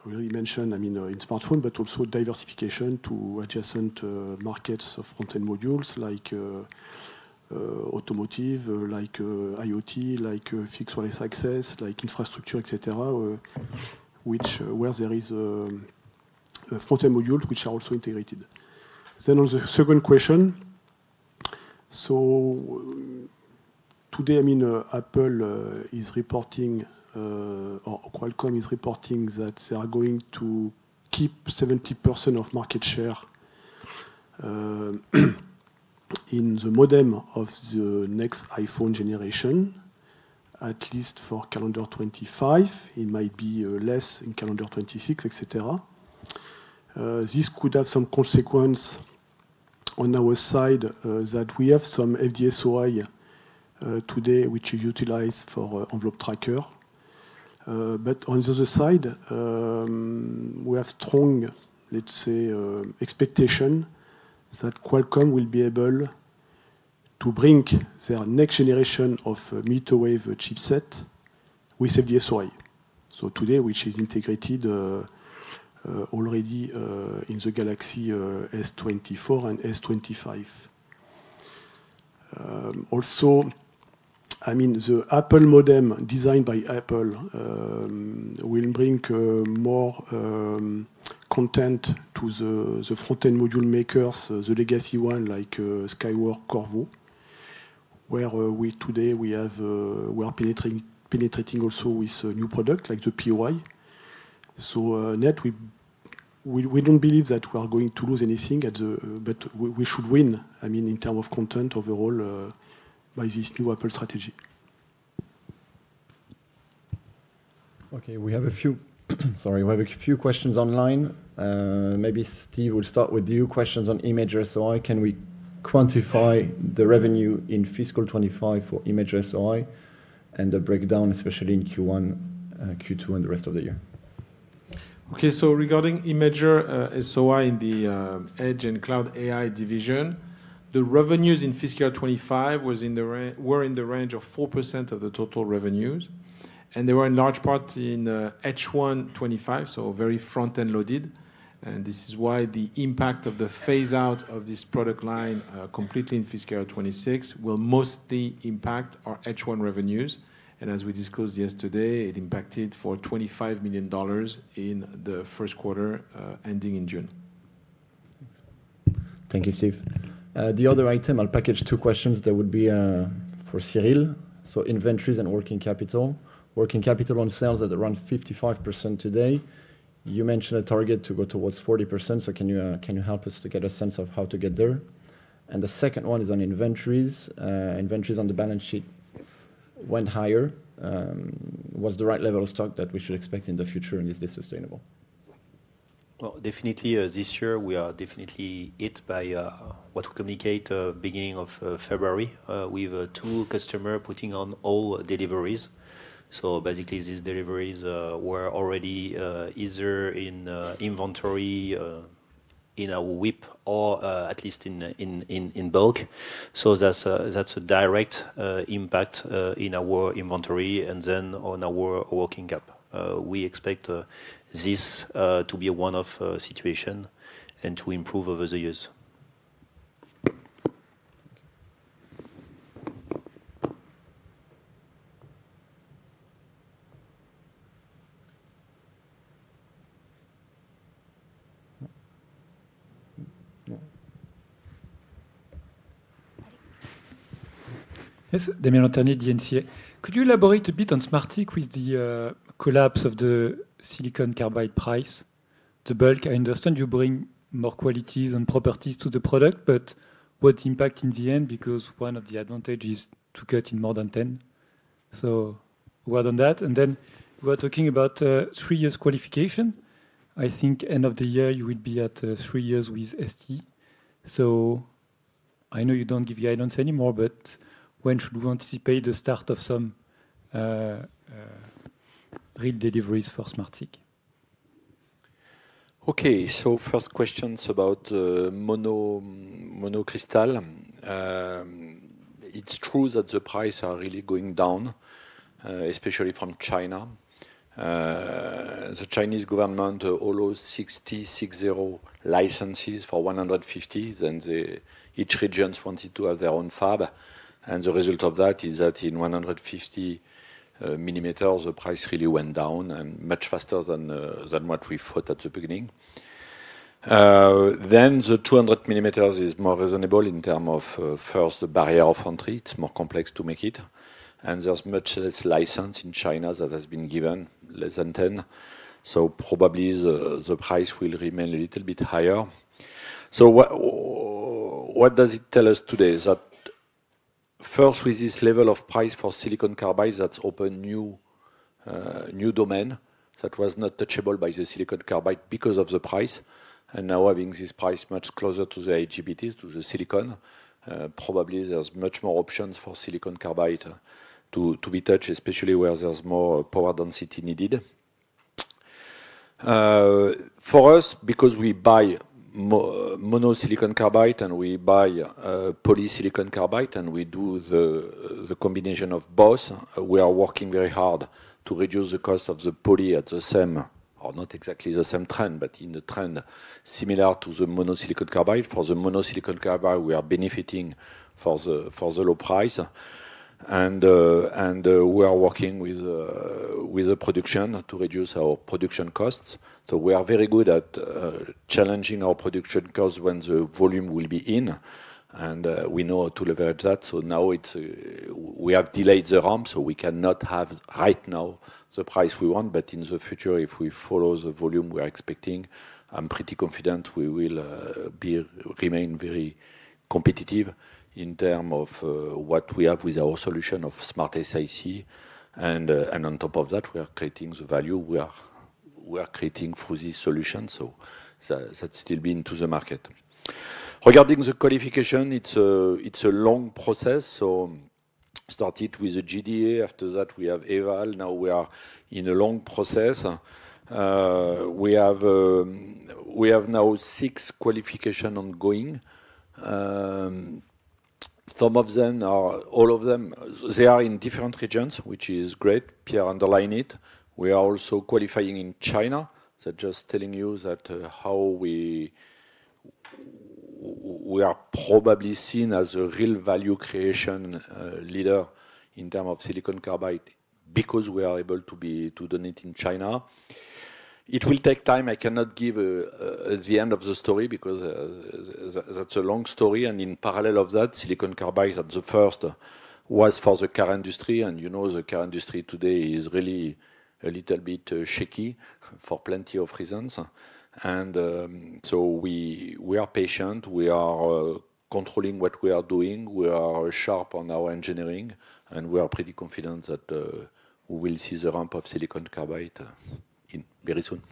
what we mentioned, I mean, in smartphone, but also diversification to adjacent markets of front-end modules like automotive, like IoT, like fixed wireless access, like infrastructure, etc., where there are front-end modules which are also integrated. On the second question, today, I mean, Apple is reporting or Qualcomm is reporting that they are going to keep 70% of market share in the modem of the next iPhone generation, at least for calendar 2025. It might be less in calendar 2026, etc. This could have some consequence on our side that we have some FD-SOI today which is utilized for envelope tracker. On the other side, we have strong, let's say, expectation that Qualcomm will be able to bring their next generation of millimeter wave chipset with FD-SOI. Today, which is integrated already in the Galaxy S24 and S25. Also, I mean, the Apple modem designed by Apple will bring more content to the front-end module makers, the legacy ones like Skyworks, Qorvo, where today we are penetrating also with new products like the POI. We do not believe that we are going to lose anything, but we should win, I mean, in terms of content overall by this new Apple strategy. Okay. We have a few—sorry, we have a few questions online. Maybe Steve will start with your questions on Imager-SOI. Can we quantify the revenue in fiscal 2025 for Imager-SOI and the breakdown, especially in Q1, Q2, and the rest of the year? Okay. Regarding Imager-SOI in the edge and cloud AI division, the revenues in fiscal 2025 were in the range of 4% of the total revenues. They were in large part in H1 2025, so very front-end loaded. This is why the impact of the phase-out of this product line completely in fiscal 2026 will mostly impact our H1 revenues. As we discussed yesterday, it impacted for $25 million in the first quarter ending in June. Thank you, Steve. The other item, I'll package two questions that would be for Cyril. Inventories and working capital. Working capital on sales at around 55% today. You mentioned a target to go towards 40%. Can you help us to get a sense of how to get there? The second one is on inventories. Inventories on the balance sheet went higher. What is the right level of stock that we should expect in the future, and is this sustainable? Definitely, this year, we are definitely hit by what we communicated beginning of February with two customers putting on all deliveries. Basically, these deliveries were already either in inventory in our WIP or at least in bulk. That is a direct impact in our inventory and then on our working cap. We expect this to be a one-off situation and to improve over the years. Yes, Damien Antani, DNCA. Could you elaborate a bit on SmartSiC with the collapse of the silicon carbide price? The bulk, I understand you bring more qualities and properties to the product, but what impact in the end? Because one of the advantages is to cut in more than 10. Work on that. We were talking about three years qualification. I think end of the year, you would be at three years with ST. I know you do not give guidance anymore, but when should we anticipate the start of some real deliveries for SmartSiC? First question is about monocrystal. It is true that the prices are really going down, especially from China. The Chinese government allowed 6,060 licenses for 150, and each region wanted to have their own fab. The result of that is that in 150 mm, the price really went down much faster than what we thought at the beginning. The 200 mm is more reasonable in terms of, first, the barrier of entry. It is more complex to make it, and there is much less license in China that has been given, less than 10. Probably the price will remain a little bit higher. What does it tell us today? First, with this level of price for silicon carbide, that has opened a new domain that was not touchable by the silicon carbide because of the price. Now, having this price much closer to the IGBTs, to the silicon, probably there are much more options for silicon carbide to be touched, especially where there is more power density needed. For us, because we buy monosilicon carbide and we buy polysilicon carbide and we do the combination of both, we are working very hard to reduce the cost of the poly at the same or not exactly the same trend, but in the trend similar to the monosilicon carbide. For the monosilicon carbide, we are benefiting from the low price. We are working with the production to reduce our production costs. We are very good at challenging our production costs when the volume will be in. We know how to leverage that. Now we have delayed the ramp, so we cannot have right now the price we want. In the future, if we follow the volume we are expecting, I am pretty confident we will remain very competitive in terms of what we have with our solution of SmartSiC. On top of that, we are creating the value we are creating through this solution. That is still being to the market. Regarding the qualification, it is a long process. Started with the GDA. After that, we have EVAL. Now we are in a long process. We have now six qualifications ongoing. Some of them, all of them, they are in different regions, which is great. Pierre underlined it. We are also qualifying in China. Just telling you how we are probably seen as a real value creation leader in terms of silicon carbide because we are able to donate in China. It will take time. I cannot give the end of the story because that is a long story. In parallel to that, silicon carbide at the first was for the car industry. You know the car industry today is really a little bit shaky for plenty of reasons. We are patient. We are controlling what we are doing. We are sharp on our engineering. We are pretty confident that we will see the ramp of silicon carbide very soon.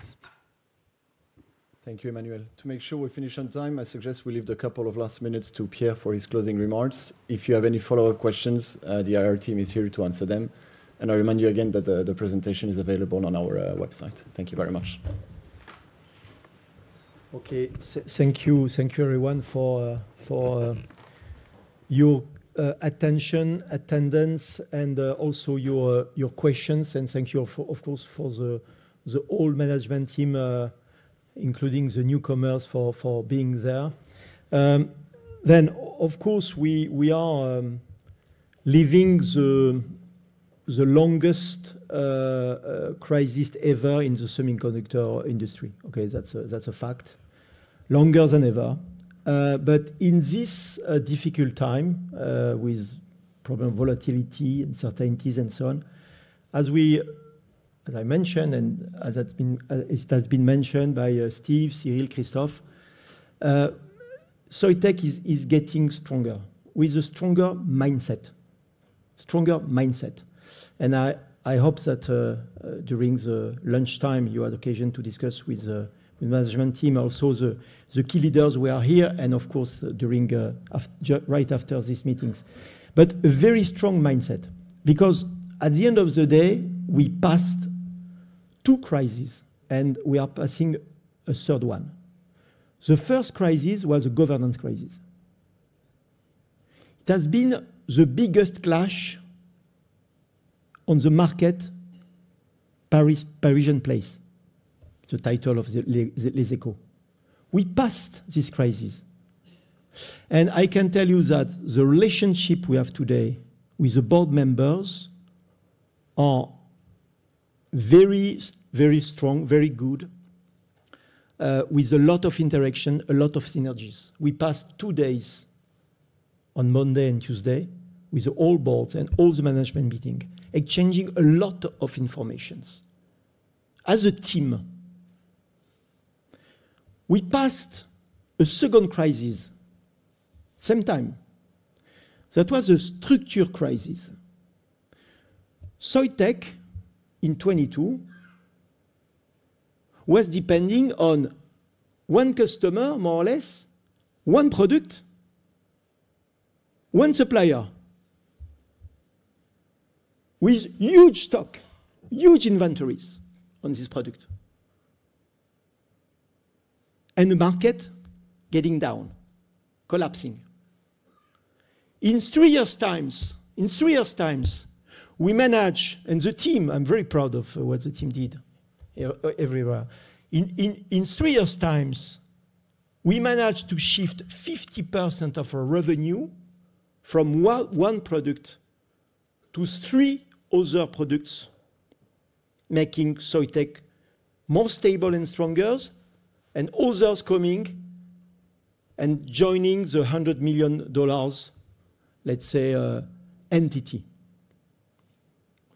Thank you, Emmanuel. To make sure we finish on time, I suggest we leave the couple of last minutes to Pierre for his closing remarks. If you have any follow-up questions, the IR team is here to answer them. I remind you again that the presentation is available on our website. Thank you very much. Okay. Thank you. Thank you, everyone, for your attention, attendance, and also your questions. Thank you, of course, for the whole management team, including the newcomers, for being there. Of course, we are living the longest crisis ever in the semiconductor industry. Okay, that's a fact. Longer than ever. In this difficult time with probably volatility, uncertainties, and so on, as I mentioned and as it has been mentioned by Steve, Cyril, Christophe. Soitec is getting stronger with a stronger mindset. Stronger mindset. I hope that during the lunchtime, you had occasion to discuss with the management team, also the key leaders who are here, and of course, right after these meetings. A very strong mindset because at the end of the day, we passed two crises, and we are passing a third one. The first crisis was a governance crisis. It has been the biggest clash on the market, Parisian place, the title of Les Echos. We passed this crisis. I can tell you that the relationship we have today with the board members is very, very strong, very good, with a lot of interaction, a lot of synergies. We passed two days on Monday and Tuesday with all boards and all the management meetings, exchanging a lot of information as a team. We passed a second crisis at the same time. That was a structure crisis. Soitec, in 2022, was depending on one customer, more or less, one product, one supplier with huge stock, huge inventories on this product. The market was getting down, collapsing. In three years' time, we managed and the team, I'm very proud of what the team did everywhere. In three years' time, we managed to shift 50% of our revenue from one product to three other products, making Soitec more stable and stronger and others coming and joining the $100 million, let's say, entity.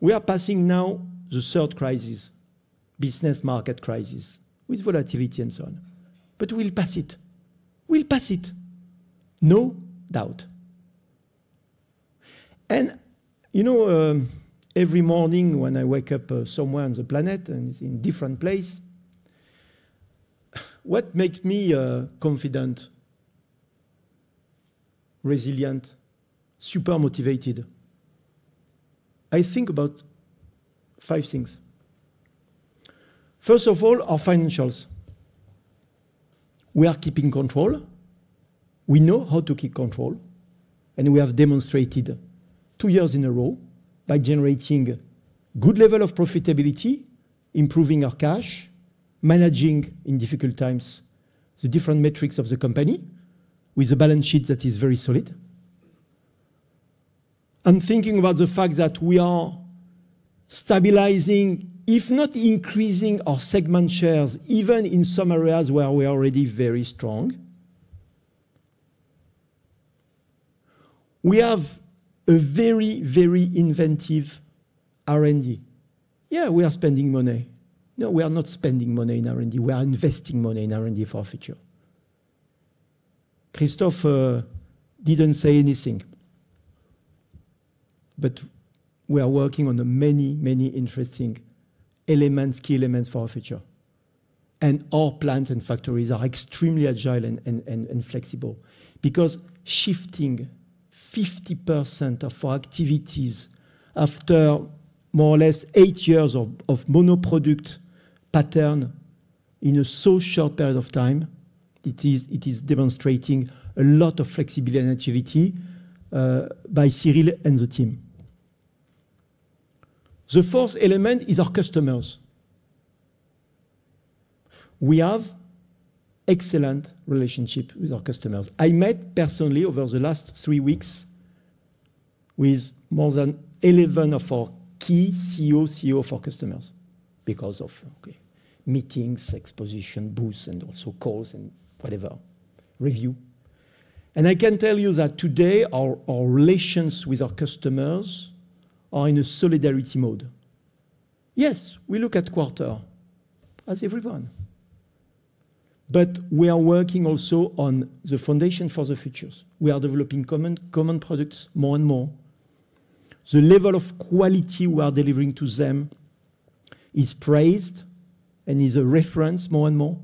We are passing now the third crisis, business market crisis, with volatility and so on. We will pass it. We will pass it. No doubt. Every morning when I wake up somewhere on the planet and it is in a different place, what makes me confident, resilient, super motivated? I think about five things. First of all, our financials. We are keeping control. We know how to keep control. We have demonstrated two years in a row by generating a good level of profitability, improving our cash, managing in difficult times the different metrics of the company with a balance sheet that is very solid. I am thinking about the fact that we are stabilizing, if not increasing, our segment shares, even in some areas where we are already very strong. We have a very, very inventive R&D. Yeah, we are spending money. No, we are not spending money in R&D. We are investing money in R&D for our future. Christophe did not say anything. We are working on many, many interesting elements, key elements for our future. Our plants and factories are extremely agile and flexible because shifting 50% of our activities after more or less eight years of monoproduct pattern in such a short period of time is demonstrating a lot of flexibility and agility by Cyril and the team. The fourth element is our customers. We have excellent relationships with our customers. I met personally over the last three weeks with more than 11 of our key CEOs of our customers because of meetings, exposition, booths, and also calls and whatever, review. I can tell you that today, our relations with our customers are in a solidarity mode. Yes, we look at quarter as everyone. We are working also on the foundation for the futures. We are developing common products more and more. The level of quality we are delivering to them is praised and is a reference more and more.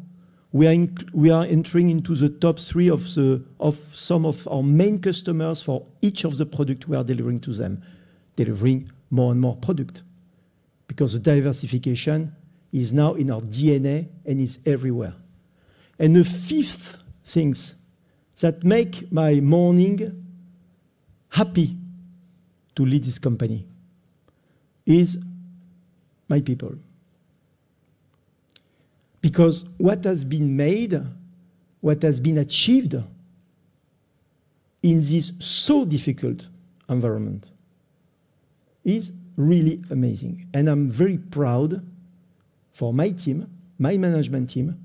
We are entering into the top three of some of our main customers for each of the products we are delivering to them, delivering more and more product because the diversification is now in our DNA and is everywhere. The fifth thing that makes my morning happy to lead this company is my people. What has been made, what has been achieved in this so difficult environment is really amazing. I am very proud for my team, my management team,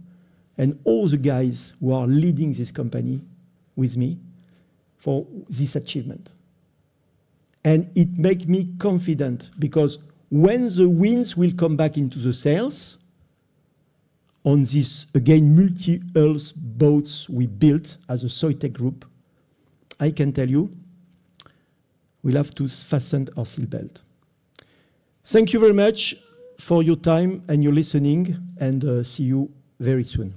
and all the guys who are leading this company with me for this achievement. It makes me confident because when the winds will come back into the sails on this, again, multi-earth boats we built as a Soitec group, I can tell you we'll have to fasten our seatbelt. Thank you very much for your time and your listening, and see you very soon.